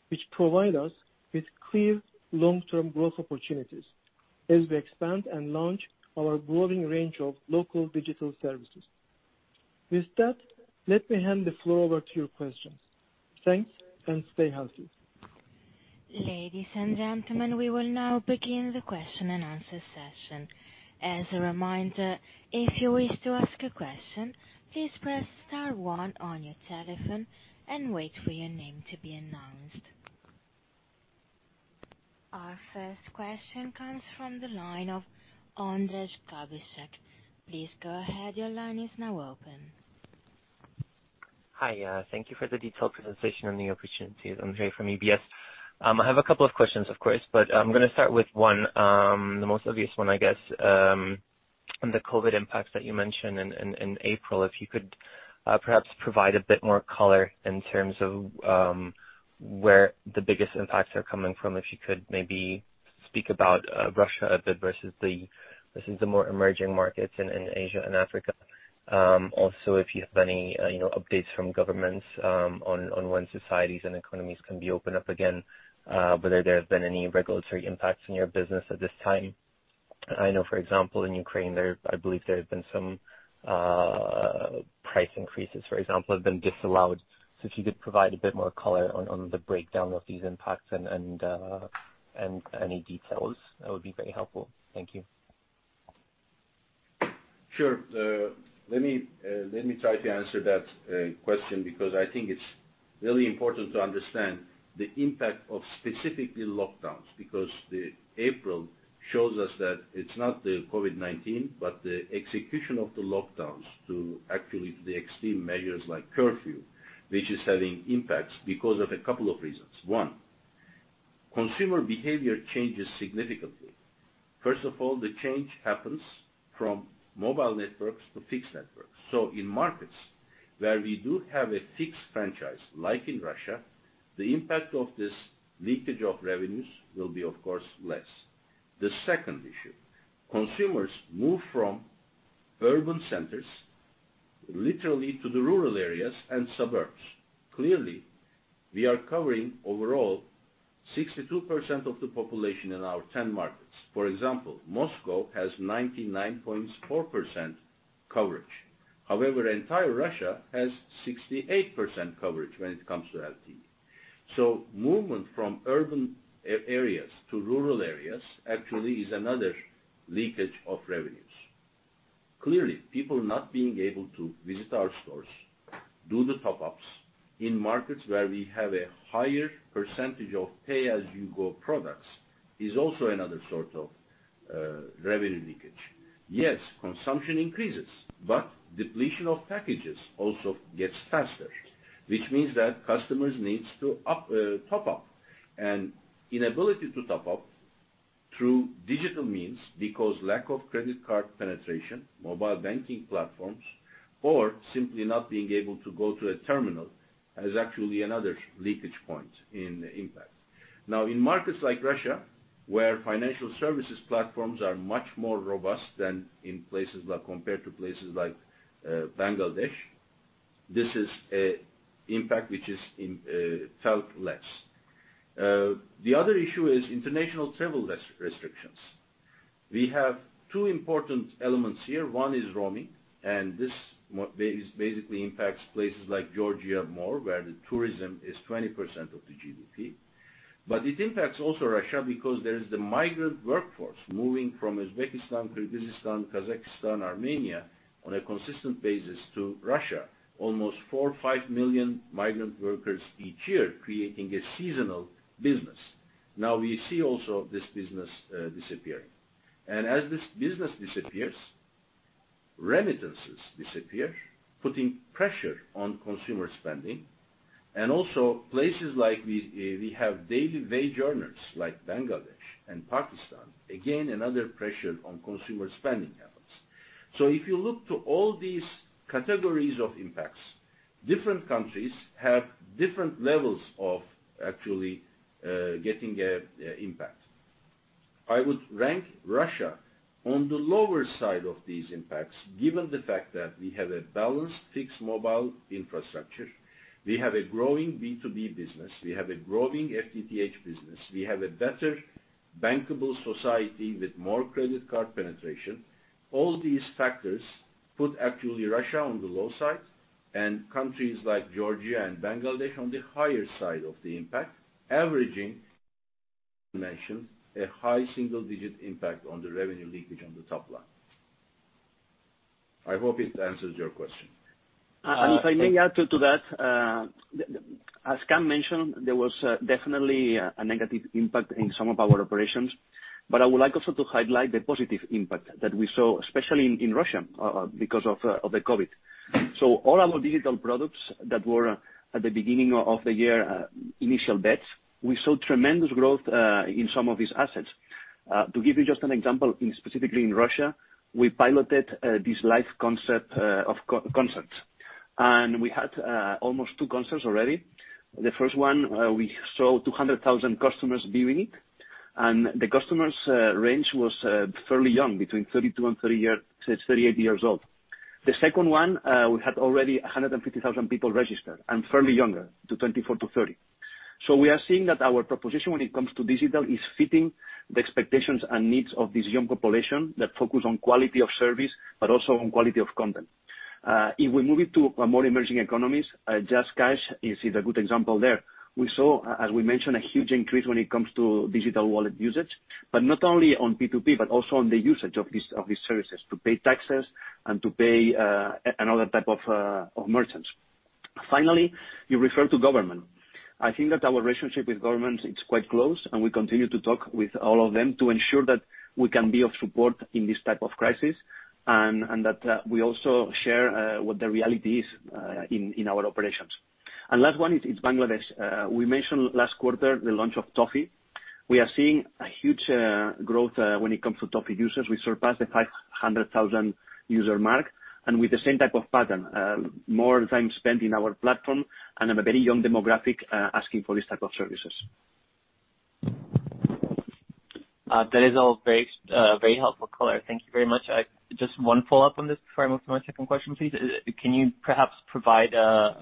which provide us with clear long-term growth opportunities as we expand and launch our growing range of local digital services. With that, let me hand the floor over to your questions. Thanks, and stay healthy. Ladies and gentlemen, we will now begin the question and answer session. As a reminder, if you wish to ask a question, please press star one on your telephone and wait for your name to be announced. Our first question comes from the line of Ondrej Cabejsek. Please go ahead. Your line is now open. Hi. Thank you for the detailed presentation on the opportunities. Ondrej from UBS. I have a couple of questions, of course, but I'm going to start with one, the most obvious one, I guess. On the COVID impacts that you mentioned in April, if you could perhaps provide a bit more color in terms of where the biggest impacts are coming from. If you could maybe speak about Russia a bit versus the more emerging markets in Asia and Africa. Also, if you have any updates from governments on when societies and economies can be opened up again, whether there have been any regulatory impacts in your business at this time. I know, for example, in Ukraine, I believe there have been some price increases, for example, have been disallowed. If you could provide a bit more color on the breakdown of these impacts and any details, that would be very helpful. Thank you. Sure. Let me try to answer that question because I think it's really important to understand the impact of specifically lockdowns, because the April shows us that it's not the COVID-19, but the execution of the lockdowns to activate the extreme measures like curfew, which is having impacts because of a couple of reasons. One, consumer behavior changes significantly. First of all, the change happens from mobile networks to fixed networks. In markets where we do have a fixed franchise, like in Russia, the impact of this leakage of revenues will be, of course, less. The second issue, consumers move from urban centers literally to the rural areas and suburbs. Clearly, we are covering overall 62% of the population in our 10 markets. For example, Moscow has 99.4% coverage. However, entire Russia has 68% coverage when it comes to LTE. Movement from urban areas to rural areas actually is another leakage of revenues. Clearly, people not being able to visit our stores, do the top-ups in markets where we have a higher percentage of pay-as-you-go products is also another sort of revenue leakage. Yes, consumption increases, but depletion of packages also gets faster, which means that customers needs to top up. Inability to top up through digital means because lack of credit card penetration, mobile banking platforms, or simply not being able to go to a terminal Is actually another leakage point in impact. In markets like Russia, where financial services platforms are much more robust than in places like compared to places like Bangladesh, this is a impact which is felt less. The other issue is international travel restrictions. We have two important elements here. One is roaming, and this basically impacts places like Georgia more, where the tourism is 20% of the GDP. It impacts also Russia because there is the migrant workforce moving from Uzbekistan, Kyrgyzstan, Kazakhstan, Armenia on a consistent basis to Russia, almost four, five million migrant workers each year, creating a seasonal business. We see also this business disappearing. As this business disappears, remittances disappear, putting pressure on consumer spending, and also places like we have daily wage earners like Bangladesh and Pakistan. Again, another pressure on consumer spending happens. If you look to all these categories of impacts, different countries have different levels of actually getting impact. I would rank Russia on the lower side of these impacts, given the fact that we have a balanced fixed mobile infrastructure, we have a growing B2B business, we have a growing FTTH business, we have a better bankable society with more credit card penetration. All these factors put actually Russia on the low side and countries like Georgia and Bangladesh on the higher side of the impact, averaging a high single digit impact on the revenue leakage on the top line. I hope it answers your question. If I may add to that, as Kaan mentioned, there was definitely a negative impact in some of our operations, but I would like also to highlight the positive impact that we saw, especially in Russia because of the COVID-19. All our digital products that were at the beginning of the year, initial bets, we saw tremendous growth in some of these assets. To give you just an example, in specifically in Russia, we piloted this live concept of concerts, and we had almost two concerts already. The first one, we saw 200,000 customers viewing it, and the customers' range was fairly young, between 32 and 38 years old. The second one, we had already 150,000 people registered and fairly younger, 24 to 30. We are seeing that our proposition when it comes to digital is fitting the expectations and needs of this young population that focus on quality of service but also on quality of content. If we move it to more emerging economies, JazzCash is a good example there. We saw, as we mentioned, a huge increase when it comes to digital wallet usage, but not only on P2P, but also on the usage of these services to pay taxes and to pay another type of merchants. Finally, you refer to government. I think that our relationship with government is quite close, and we continue to talk with all of them to ensure that we can be of support in this type of crisis and that we also share what the reality is in our operations. Last one is Bangladesh. We mentioned last quarter the launch of Toffee. We are seeing a huge growth when it comes to Toffee users. We surpassed the 500,000 user mark and with the same type of pattern, more time spent in our platform and a very young demographic asking for this type of services. That is all very helpful color. Thank you very much. Just one follow-up on this before I move to my second question, please. Can you perhaps provide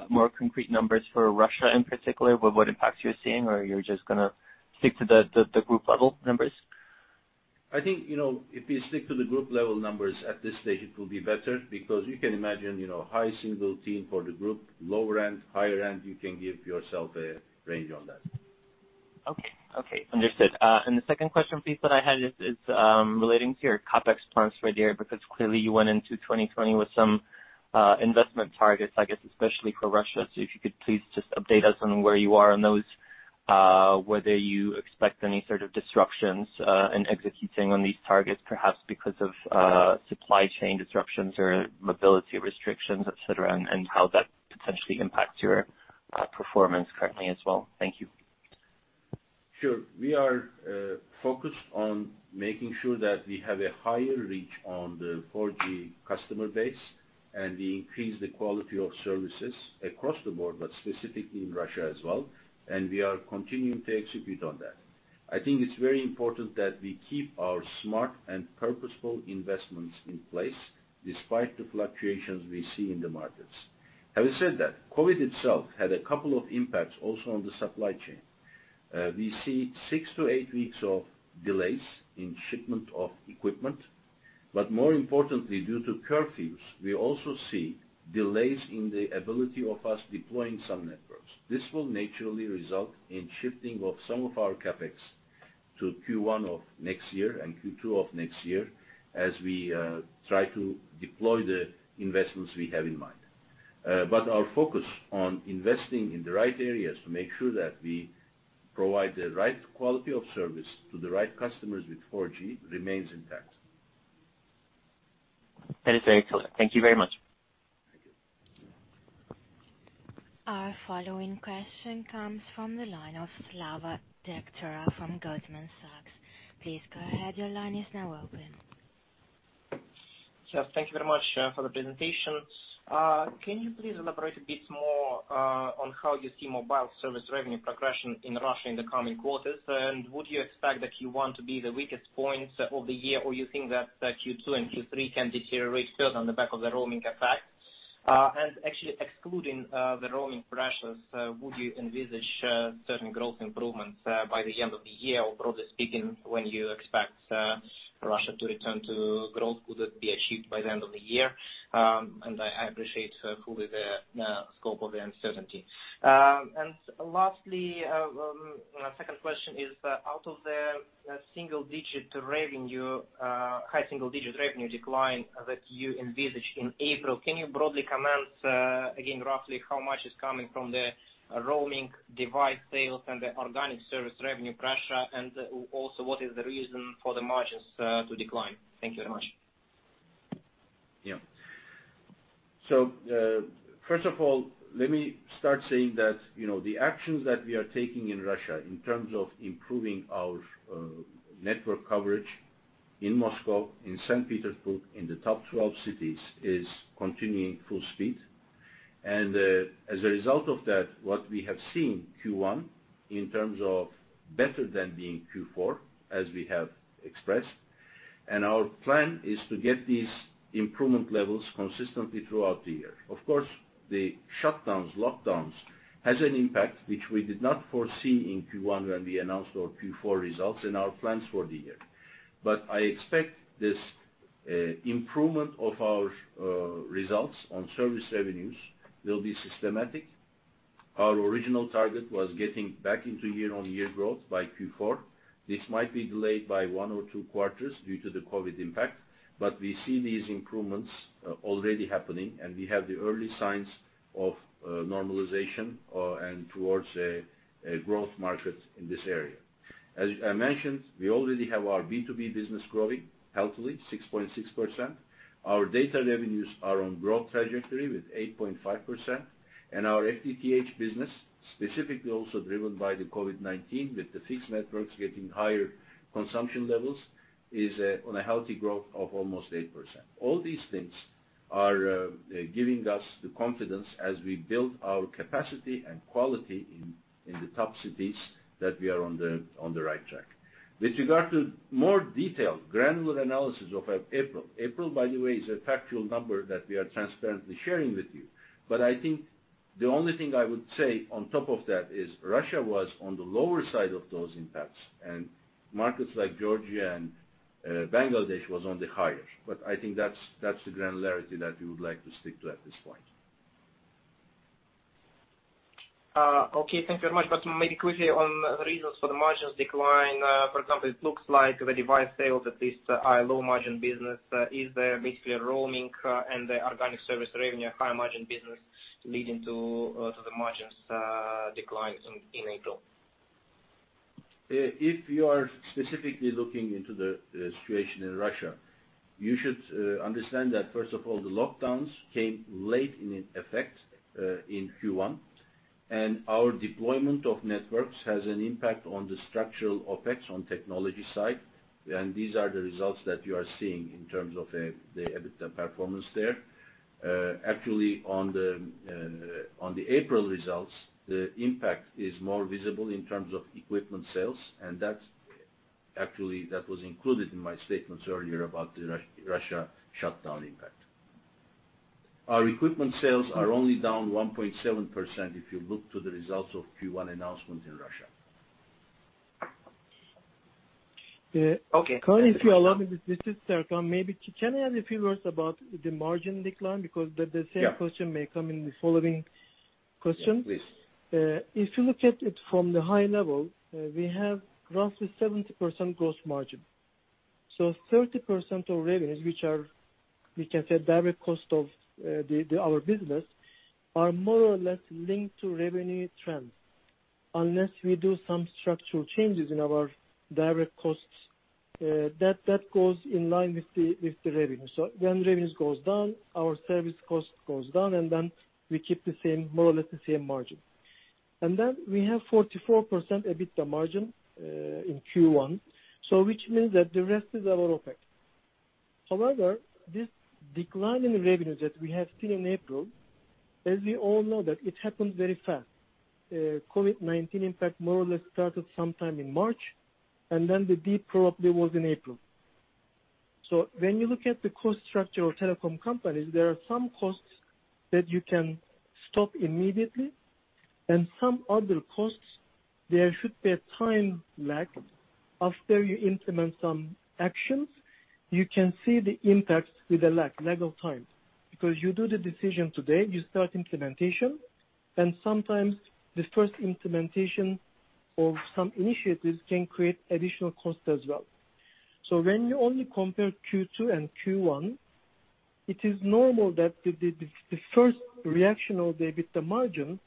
more concrete numbers for Russia in particular with what impacts you're seeing, or you're just going to stick to the group level numbers? I think if we stick to the group level numbers at this stage, it will be better because you can imagine high single digit for the group, lower end, higher end, you can give yourself a range on that. Okay. Understood. The second question please that I had is relating to your CapEx plans, Javier, because clearly you went into 2020 with some investment targets, I guess, especially for Russia. If you could please just update us on where you are on those, whether you expect any sort of disruptions in executing on these targets, perhaps because of supply chain disruptions or mobility restrictions, et cetera, and how that potentially impacts your performance currently as well. Thank you. Sure. We are focused on making sure that we have a higher reach on the 4G customer base, and we increase the quality of services across the board, but specifically in Russia as well, and we are continuing to execute on that. I think it's very important that we keep our smart and purposeful investments in place despite the fluctuations we see in the markets. Having said that, COVID itself had a couple of impacts also on the supply chain. We see six to eight weeks of delays in shipment of equipment, but more importantly, due to curfews, we also see delays in the ability of us deploying some networks. This will naturally result in shifting of some of our CapEx to Q1 of next year and Q2 of next year as we try to deploy the investments we have in mind. Our focus on investing in the right areas to make sure that we provide the right quality of service to the right customers with 4G remains intact. That is very clear. Thank you very much. Thank you. Our following question comes from the line of Slava Degtyarev from Goldman Sachs. Please go ahead. Your line is now open. Yes. Thank you very much for the presentation. Can you please elaborate a bit more on how you see mobile service revenue progression in Russia in the coming quarters? Would you expect that Q1 to be the weakest point of the year, or you think that Q2 and Q3 can deteriorate further on the back of the roaming effect? Excluding the roaming pressures, would you envisage certain growth improvements by the end of the year or broadly speaking, when you expect Russia to return to growth? Would that be achieved by the end of the year? I appreciate fully the scope of the uncertainty. Lastly, second question is, out of the high single-digit revenue decline that you envisaged in April, can you broadly comment, again, roughly how much is coming from the roaming device sales and the organic service revenue pressure? Also, what is the reason for the margins to decline? Thank you very much. First of all, let me start saying that the actions that we are taking in Russia in terms of improving our network coverage in Moscow, in St. Petersburg, in the top 12 cities, is continuing full speed. As a result of that, what we have seen Q1, in terms of better than being Q4, as we have expressed, our plan is to get these improvement levels consistently throughout the year. Of course, the shutdowns, lockdowns has an impact, which we did not foresee in Q1 when we announced our Q4 results and our plans for the year. I expect this improvement of our results on service revenues will be systematic. Our original target was getting back into year-on-year growth by Q4. This might be delayed by one or two quarters due to the COVID-19 impact, but we see these improvements already happening, and we have the early signs of normalization, and towards a growth market in this area. As I mentioned, we already have our B2B business growing healthily, 6.6%. Our data revenues are on growth trajectory with 8.5%, and our FTTH business, specifically also driven by the COVID-19, with the fixed networks getting higher consumption levels, is on a healthy growth of almost 8%. All these things are giving us the confidence as we build our capacity and quality in the top cities that we are on the right track. With regard to more detailed granular analysis of April. April, by the way, is a factual number that we are transparently sharing with you. I think the only thing I would say on top of that is Russia was on the lower side of those impacts, and markets like Georgia and Bangladesh was on the higher. I think that's the granularity that we would like to stick to at this point. Okay, thank you very much. Maybe quickly on the reasons for the margins decline. For example, it looks like the device sales at least are a low margin business. Is there basically a roaming and the organic service revenue, high margin business leading to the margins declines in April? If you are specifically looking into the situation in Russia, you should understand that first of all, the lockdowns came late in effect, in Q1, and our deployment of networks has an impact on the structural OPEX on technology side, and these are the results that you are seeing in terms of the EBITDA performance there. Actually, on the April results, the impact is more visible in terms of equipment sales, and actually that was included in my statements earlier about the Russia shutdown impact. Our equipment sales are only down 1.7% if you look to the results of Q1 announcement in Russia. Okay. Kaan, if you allow me, this is Serkan. Maybe can I add a few words about the margin decline because the same question may come in the following question. Yeah, please. If you look at it from the high level, we have roughly 70% gross margin. 30% of revenues, which are, we can say, direct cost of our business, are more or less linked to revenue trends. Unless we do some structural changes in our direct costs, that goes in line with the revenue. When revenues goes down, our service cost goes down, and then we keep more or less the same margin. We have 44% EBITDA margin in Q1, which means that the rest is our OPEX. However, this decline in revenue that we have seen in April, as we all know that it happened very fast. COVID-19 impact more or less started sometime in March, and then the deep probably was in April. When you look at the cost structure of telecom companies, there are some costs that you can stop immediately and some other costs, there should be a time lag. After you implement some actions, you can see the impacts with a lag of time. Because you do the decision today, you start implementation, and sometimes the first implementation of some initiatives can create additional cost as well. When you only compare Q2 and Q1, it is normal that the first reaction of the EBITDA margin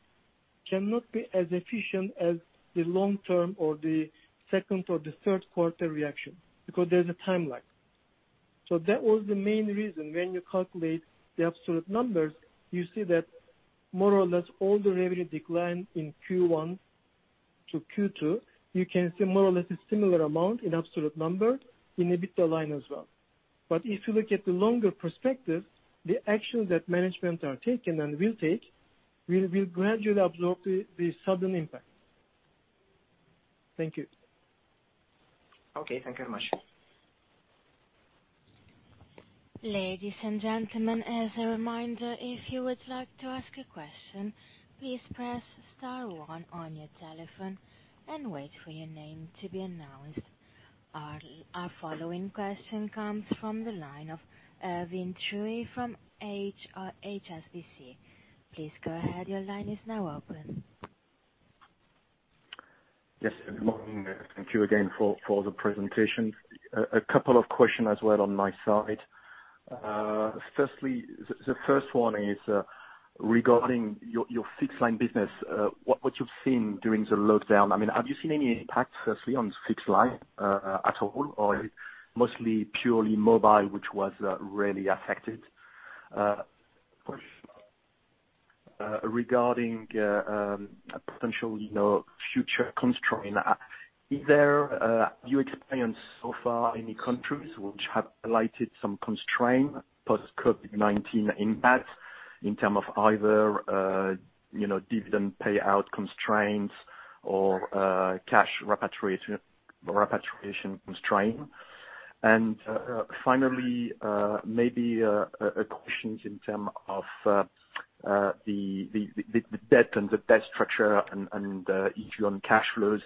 cannot be as efficient as the long term or the second or the third quarter reaction, because there is a time lag. That was the main reason when you calculate the absolute numbers, you see that more or less all the revenue decline in Q1 to Q2, you can see more or less a similar amount in absolute number in EBITDA line as well. If you look at the longer perspective, the action that management are taking and will take will gradually absorb the sudden impact. Thank you. Okay, thank you very much. Ladies and gentlemen, as a reminder, if you would like to ask a question, please press star one on your telephone and wait for your name to be announced. Our following question comes from the line of Erwin TUI from HSBC. Please go ahead. Your line is now open. Yes, good morning. Thank you again for the presentation. A couple of questions as well on my side. Firstly, the first one is regarding your fixed line business. What you've seen during the lockdown, have you seen any impact, firstly, on fixed line at all, or is it mostly purely mobile, which was rarely affected? Regarding a potential future constraint, have you experienced so far any countries which have highlighted some constraint post-COVID-19 impact in terms of either dividend payout constraints or cash repatriation constraint? Finally, maybe a question in terms of the debt and the debt structure and issue on cash flows.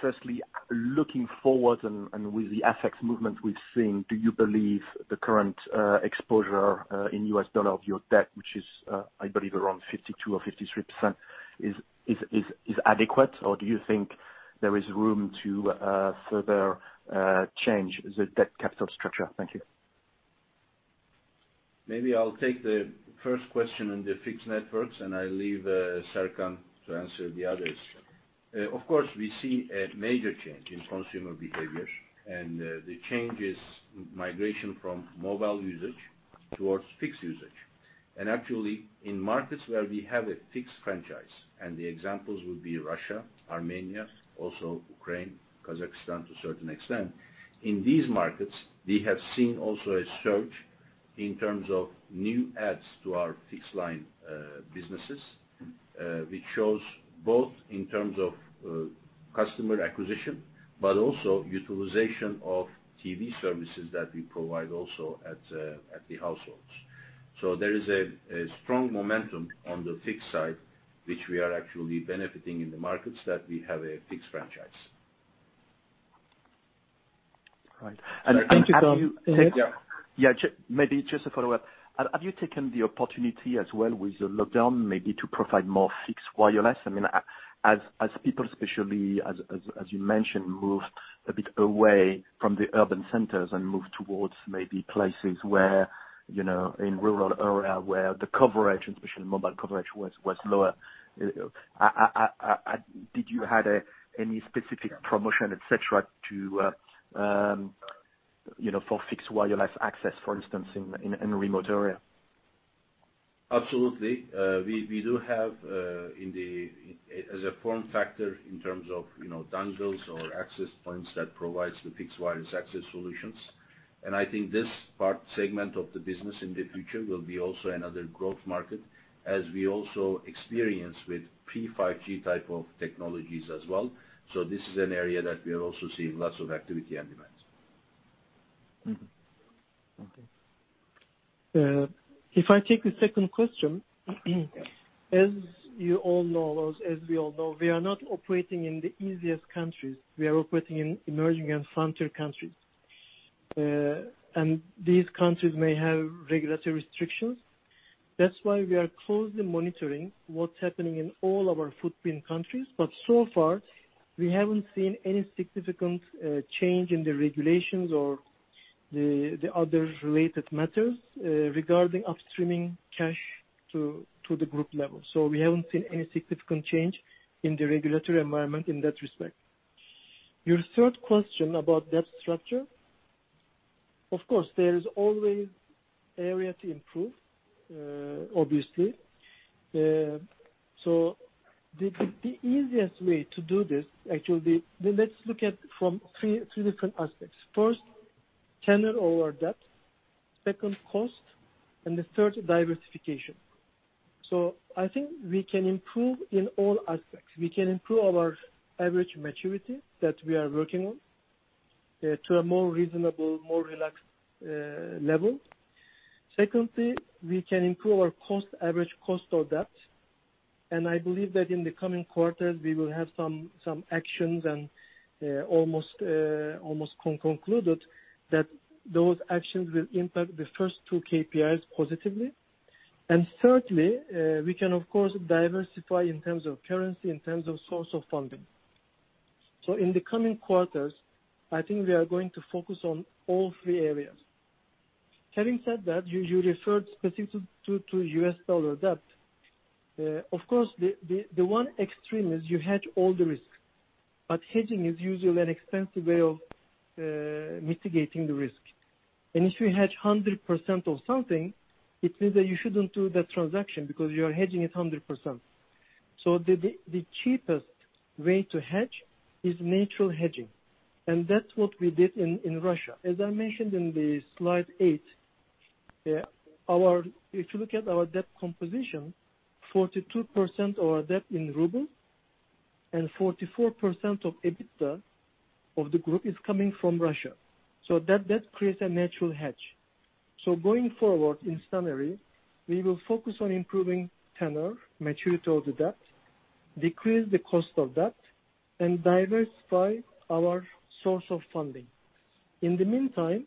Firstly, looking forward and with the FX movement we've seen, do you believe the current exposure in U.S. dollar of your debt, which is, I believe around 52% or 53% is adequate, or do you think there is room to further change the debt capital structure? Thank you. Maybe I'll take the first question on the fixed networks, and I leave Serkan to answer the others. Of course, we see a major change in consumer behavior, and the change is migration from mobile usage towards fixed usage. Actually, in markets where we have a fixed franchise, and the examples would be Russia, Armenia, also Ukraine, Kazakhstan to a certain extent. In these markets, we have seen also a surge in terms of new adds to our fixed line businesses, which shows both in terms of customer acquisition, but also utilization of TV services that we provide also at the households. There is a strong momentum on the fixed side, which we are actually benefiting in the markets that we have a fixed franchise. Right. Have you taken- Thank you. Yeah. Maybe just a follow-up. Have you taken the opportunity as well with the lockdown, maybe to provide more fixed wireless? As people, especially as you mentioned, moved a bit away from the urban centers and moved towards maybe places where in rural area where the coverage, especially mobile coverage, was lower. Did you have any specific promotion, et cetera, for fixed wireless access, for instance, in remote area? Absolutely. We do have as a form factor in terms of dongles or access points that provides the fixed wireless access solutions. I think this part segment of the business in the future will be also another growth market, as we also experience with pre-5G type of technologies as well. This is an area that we are also seeing lots of activity and demands. Mm-hmm. Okay. If I take the second question. Yes. As we all know, we are not operating in the easiest countries. We are operating in emerging and frontier countries. These countries may have regulatory restrictions. That's why we are closely monitoring what's happening in all our footprint countries. So far, we haven't seen any significant change in the regulations or the other related matters regarding upstreaming cash to the group level. We haven't seen any significant change in the regulatory environment in that respect. Your third question about debt structure. Of course, there is always area to improve, obviously. The easiest way to do this, actually, let's look at from three different aspects. First, tenure over debt, second cost, and the third diversification. I think we can improve in all aspects. We can improve our average maturity that we are working on to a more reasonable, more relaxed level. Secondly, we can improve our average cost of debt, and I believe that in the coming quarters, we will have some actions and almost concluded that those actions will impact the first two KPIs positively. Thirdly, we can, of course, diversify in terms of currency, in terms of source of funding. In the coming quarters, I think we are going to focus on all three areas. Having said that, you referred specific to U.S. dollar debt. Of course, the one extreme is you hedge all the risks. Hedging is usually an expensive way of mitigating the risk. If you hedge 100% of something, it means that you shouldn't do that transaction because you are hedging it 100%. The cheapest way to hedge is natural hedging, and that's what we did in Russia. As I mentioned in slide eight, if you look at our debt composition, 42% of our debt in RUB and 44% of EBITDA of the group is coming from Russia. That creates a natural hedge. Going forward, in summary, we will focus on improving tenor, maturity of the debt, decrease the cost of debt, and diversify our source of funding. In the meantime,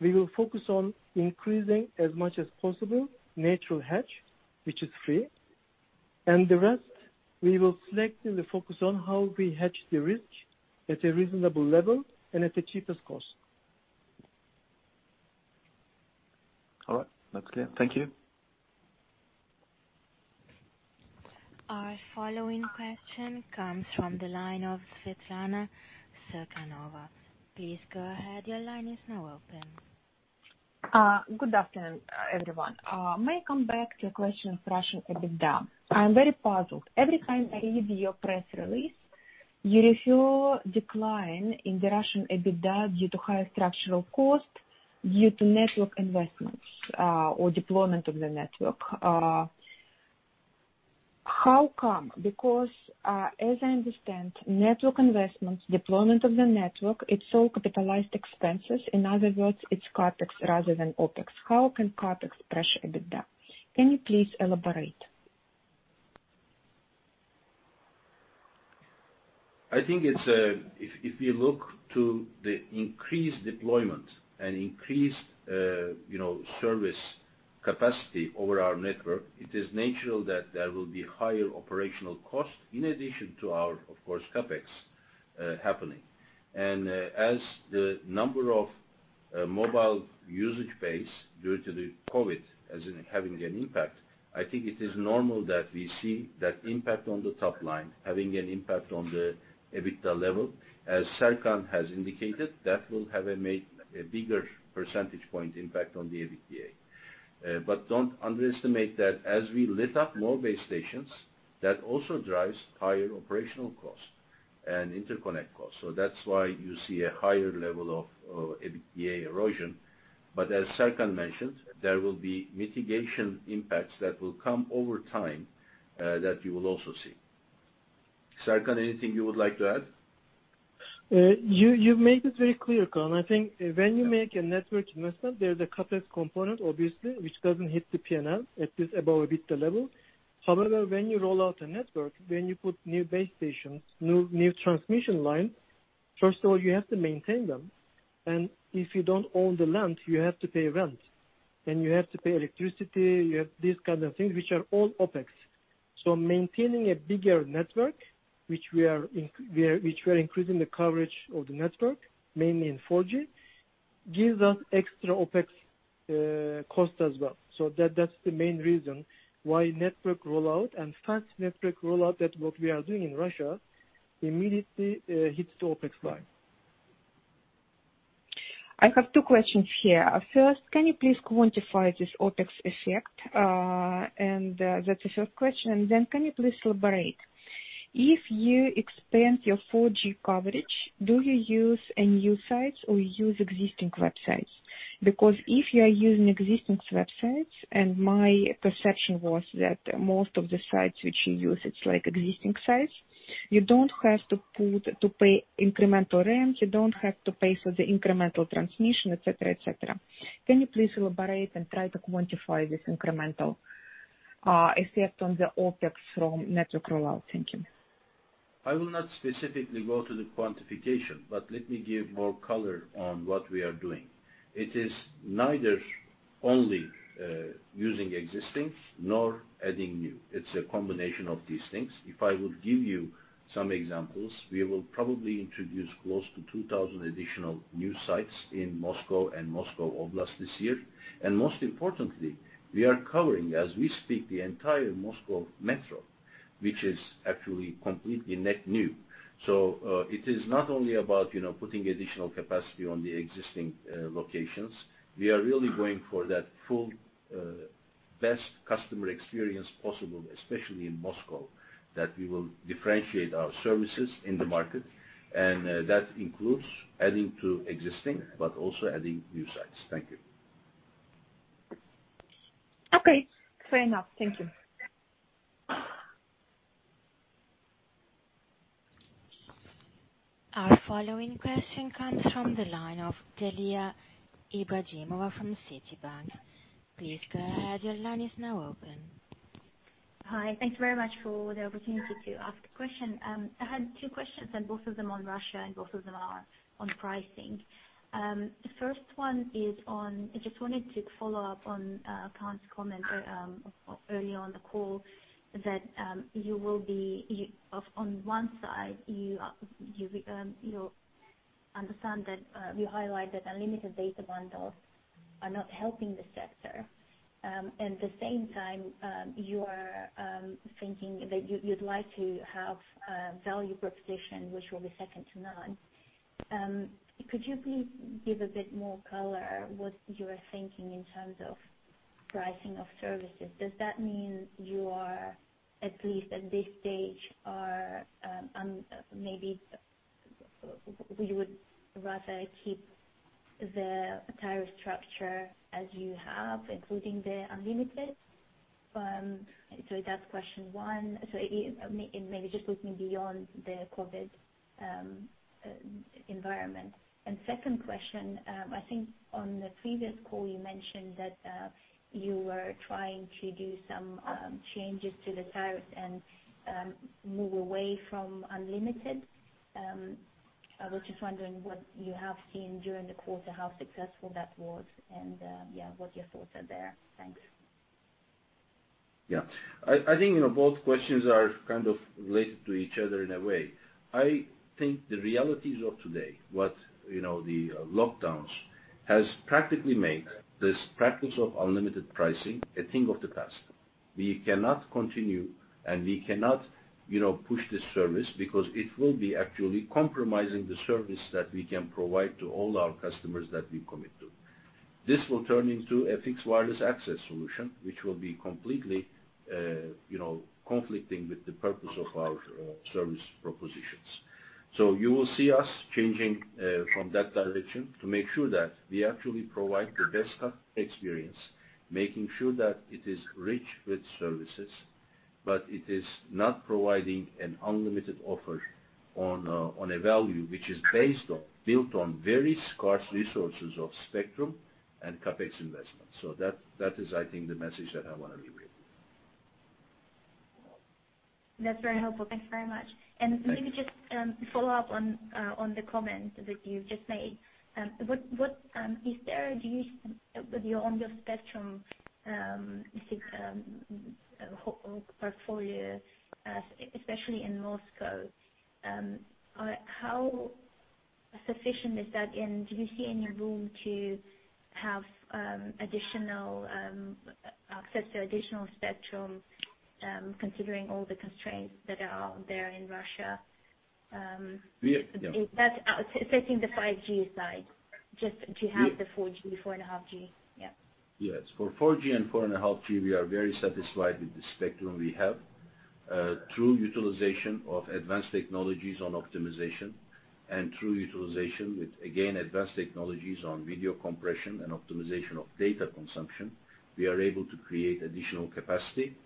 we will focus on increasing as much as possible natural hedge, which is free, and the rest, we will selectively focus on how we hedge the risk at a reasonable level and at the cheapest cost. All right. That's clear. Thank you. Our following question comes from the line of Svetlana Surkanova. Please go ahead. Your line is now open. Good afternoon, everyone. May I come back to your question of Russian EBITDA? I'm very puzzled. Every time I read your press release, you show decline in the Russian EBITDA due to higher structural cost due to network investments or deployment of the network. How come? As I understand, network investments, deployment of the network, it's all capitalized expenses. In other words, it's CapEx rather than OpEx. How can CapEx pressure EBITDA? Can you please elaborate? I think if you look to the increased deployment and increased service capacity over our network, it is natural that there will be higher operational cost in addition to our, of course, CapEx happening. As the number of mobile usage base due to the COVID-19 as in having an impact, I think it is normal that we see that impact on the top line having an impact on the EBITDA level. As Serkan has indicated, that will have a bigger percentage point impact on the EBITDA. Don't underestimate that as we lit up more base stations, that also drives higher operational cost and interconnect cost. That's why you see a higher level of EBITDA erosion. As Serkan mentioned, there will be mitigation impacts that will come over time, that you will also see. Serkan, anything you would like to add? You've made it very clear, Kaan. I think when you make a network investment, there's a CapEx component, obviously, which doesn't hit the P&L at this EBITDA level. When you roll out a network, when you put new base stations, new transmission line, first of all, you have to maintain them. If you don't own the land, you have to pay rent, then you have to pay electricity, you have these kinds of things, which are all OpEx. Maintaining a bigger network, which we are increasing the coverage of the network, mainly in 4G, gives us extra OpEx cost as well. That's the main reason why network rollout and fast network rollout that what we are doing in Russia immediately hits the OpEx line. I have two questions here. First, can you please quantify this OPEX effect? That's the first question. Can you please elaborate, if you expand your 4G coverage, do you use new sites or you use existing sites? Because if you are using existing sites, and my perception was that most of the sites which you use, it's existing sites, you don't have to pay incremental rent, you don't have to pay for the incremental transmission, et cetera. Can you please elaborate and try to quantify this incremental effect on the OPEX from network rollout? Thank you. I will not specifically go to the quantification, but let me give more color on what we are doing. It is neither only using existing nor adding new. It's a combination of these things. If I would give you some examples, we will probably introduce close to 2,000 additional new sites in Moscow and Moscow Oblast this year. And most importantly, we are covering, as we speak, the entire Moscow Metro, which is actually completely net new. So it is not only about putting additional capacity on the existing locations. We are really going for that full best customer experience possible, especially in Moscow, that we will differentiate our services in the market, and that includes adding to existing but also adding new sites. Thank you. Okay, fair enough. Thank you. Our following question comes from the line of Dalya Ibragimova from Citibank. Please go ahead, your line is now open. Hi. Thanks very much for the opportunity to ask a question. I had two questions and both of them on Russia and both of them are on pricing. The first one is on, I just wanted to follow up on Kaan's comment early on in the call that on one side, you understand that you highlighted unlimited data bundles are not helping the sector. At the same time, you are thinking that you'd like to have a value proposition which will be second to none. Could you please give a bit more color what you are thinking in terms of pricing of services? Does that mean you are, at least at this stage, maybe you would rather keep the tariff structure as you have, including the unlimited? That's question one. Maybe just looking beyond the COVID environment. Second question, I think on the previous call, you mentioned that you were trying to do some changes to the tariff and move away from unlimited. I was just wondering what you have seen during the quarter, how successful that was, and what your thoughts are there. Thanks. Yeah. I think both questions are kind of related to each other in a way. I think the realities of today, what the lockdowns has practically made this practice of unlimited pricing a thing of the past. We cannot continue, and we cannot push this service because it will be actually compromising the service that we can provide to all our customers that we commit to. This will turn into a fixed wireless access solution, which will be completely conflicting with the purpose of our service propositions. You will see us changing from that direction to make sure that we actually provide the best experience, making sure that it is rich with services, but it is not providing an unlimited offer on a value which is based on, built on very scarce resources of spectrum and CapEx investment. That is, I think, the message that I want to relay. That's very helpful. Thank you very much. Thank you. Maybe just follow up on the comment that you just made. Is there, do you, with your spectrum portfolio, especially in Moscow, how sufficient is that? Do you see any room to have access to additional spectrum, considering all the constraints that are there in Russia? Yeah. Setting the 5G aside, just do you have the 4G, four and a half G? Yeah. Yes. For 4G and 4.5G, we are very satisfied with the spectrum we have. Through utilization of advanced technologies on optimization and through utilization with, again, advanced technologies on video compression and optimization of data consumption, we are able to create additional capacity.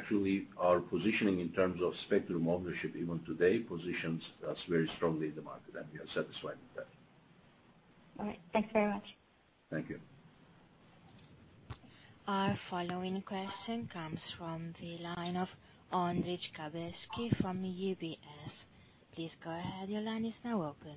Actually, our positioning in terms of spectrum ownership, even today, positions us very strongly in the market, and we are satisfied with that. All right. Thank you very much. Thank you. Our following question comes from the line of Ondrej Cabejsek from UBS. Please go ahead. Your line is now open.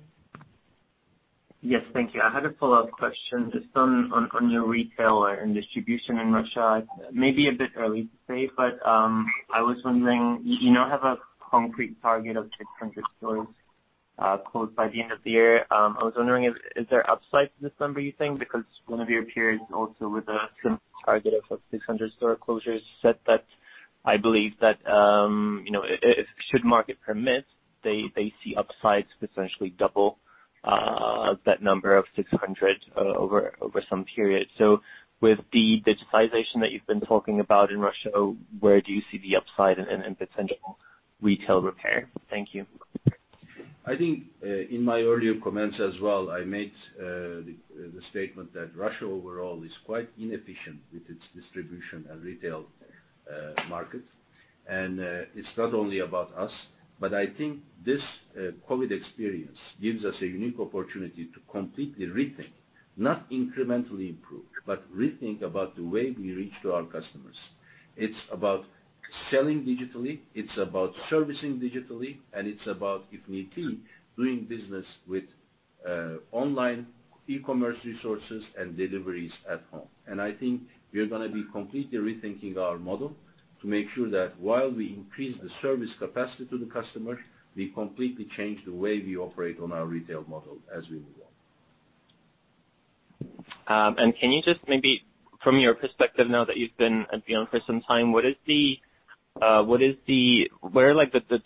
Yes. Thank you. I had a follow-up question just on your retail and distribution in Russia. It may be a bit early to say, but I was wondering, you now have a concrete target of 600 stores closed by the end of the year. I was wondering, is there upside to this number, you think? Because one of your peers, also with a similar target of 600 store closures, said that I believe that if should market permit, they see upsides to potentially double that number of 600 over some period. With the digitization that you've been talking about in Russia, where do you see the upside and potential retail repair? Thank you. I think, in my earlier comments as well, I made the statement that Russia overall is quite inefficient with its distribution and retail market. It's not only about us, but I think this COVID-19 experience gives us a unique opportunity to completely rethink, not incrementally improve, but rethink about the way we reach to our customers. It's about selling digitally, it's about servicing digitally, and it's about, if need be, doing business with online e-commerce resources and deliveries at home. I think we're going to be completely rethinking our model to make sure that while we increase the service capacity to the customer, we completely change the way we operate on our retail model as we move on. Can you just maybe, from your perspective now that you've been at VEON for some time, what are the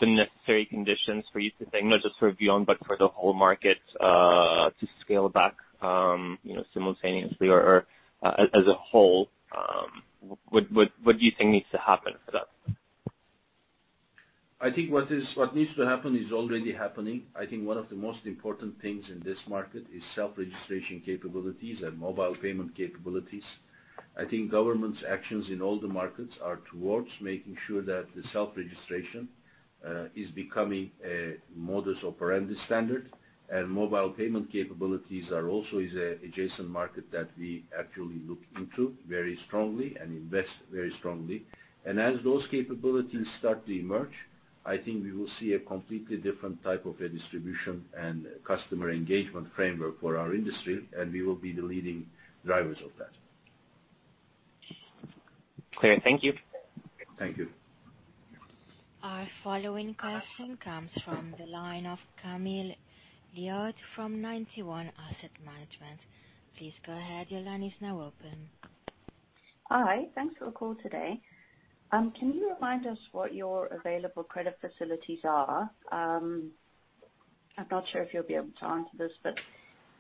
necessary conditions for you to think, not just for VEON, but for the whole market, to scale back simultaneously or as a whole? What do you think needs to happen for that? I think what needs to happen is already happening. I think one of the most important things in this market is self-registration capabilities and mobile payment capabilities. I think governments' actions in all the markets are towards making sure that the self-registration is becoming a modus operandi standard. Mobile payment capabilities are also an adjacent market that we actually look into very strongly and invest very strongly. As those capabilities start to emerge, I think we will see a completely different type of a distribution and customer engagement framework for our industry, and we will be the leading drivers of that. Clear. Thank you. Thank you. Our following question comes from the line of Camille Liard from Ninety One Asset Management. Please go ahead. Your line is now open. Hi. Thanks for the call today. Can you remind us what your available credit facilities are? I'm not sure if you'll be able to answer this, but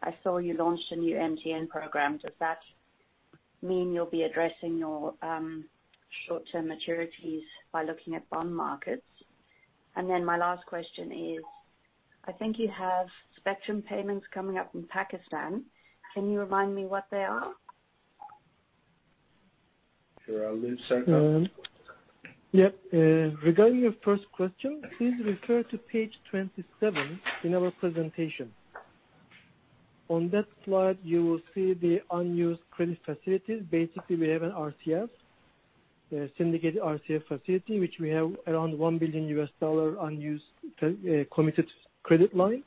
I saw you launched a new MTN program. Does that mean you'll be addressing your short-term maturities by looking at bond markets? My last question is, I think you have spectrum payments coming up in Pakistan. Can you remind me what they are? Sure. I'll leave Serkan. Yep. Regarding your first question, please refer to page 27 in our presentation. On that slide, you will see the unused credit facilities. Basically, we have an RCF, a syndicated RCF facility, which we have around $1 billion unused committed credit line.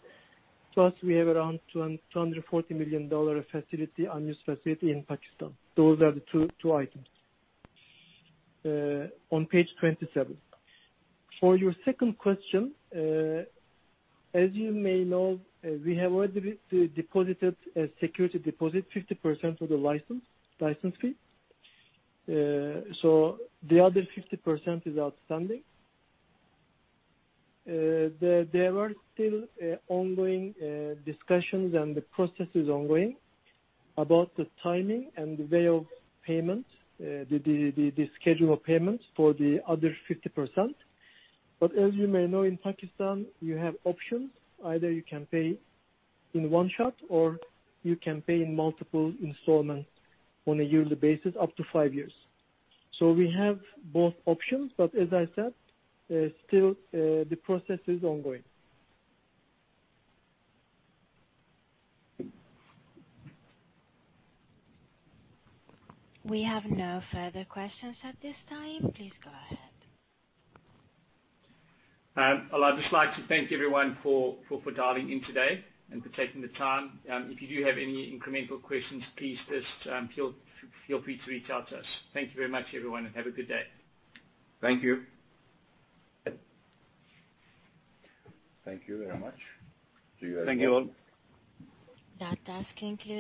Plus, we have around $240 million unused facility in Pakistan. Those are the two items on page 27. For your second question, as you may know, we have already deposited a security deposit, 50% of the license fee. The other 50% is outstanding. There are still ongoing discussions, and the process is ongoing about the timing and the way of payment, the schedule of payments for the other 50%. As you may know, in Pakistan, you have options. Either you can pay in one shot, or you can pay in multiple installments on a yearly basis up to five years. We have both options, but as I said, still, the process is ongoing. We have no further questions at this time. Please go ahead. I'd just like to thank everyone for dialing in today and for taking the time. If you do have any incremental questions, please just feel free to reach out to us. Thank you very much, everyone, and have a good day. Thank you. Thank you very much. See you again. Thank you all. That does conclude.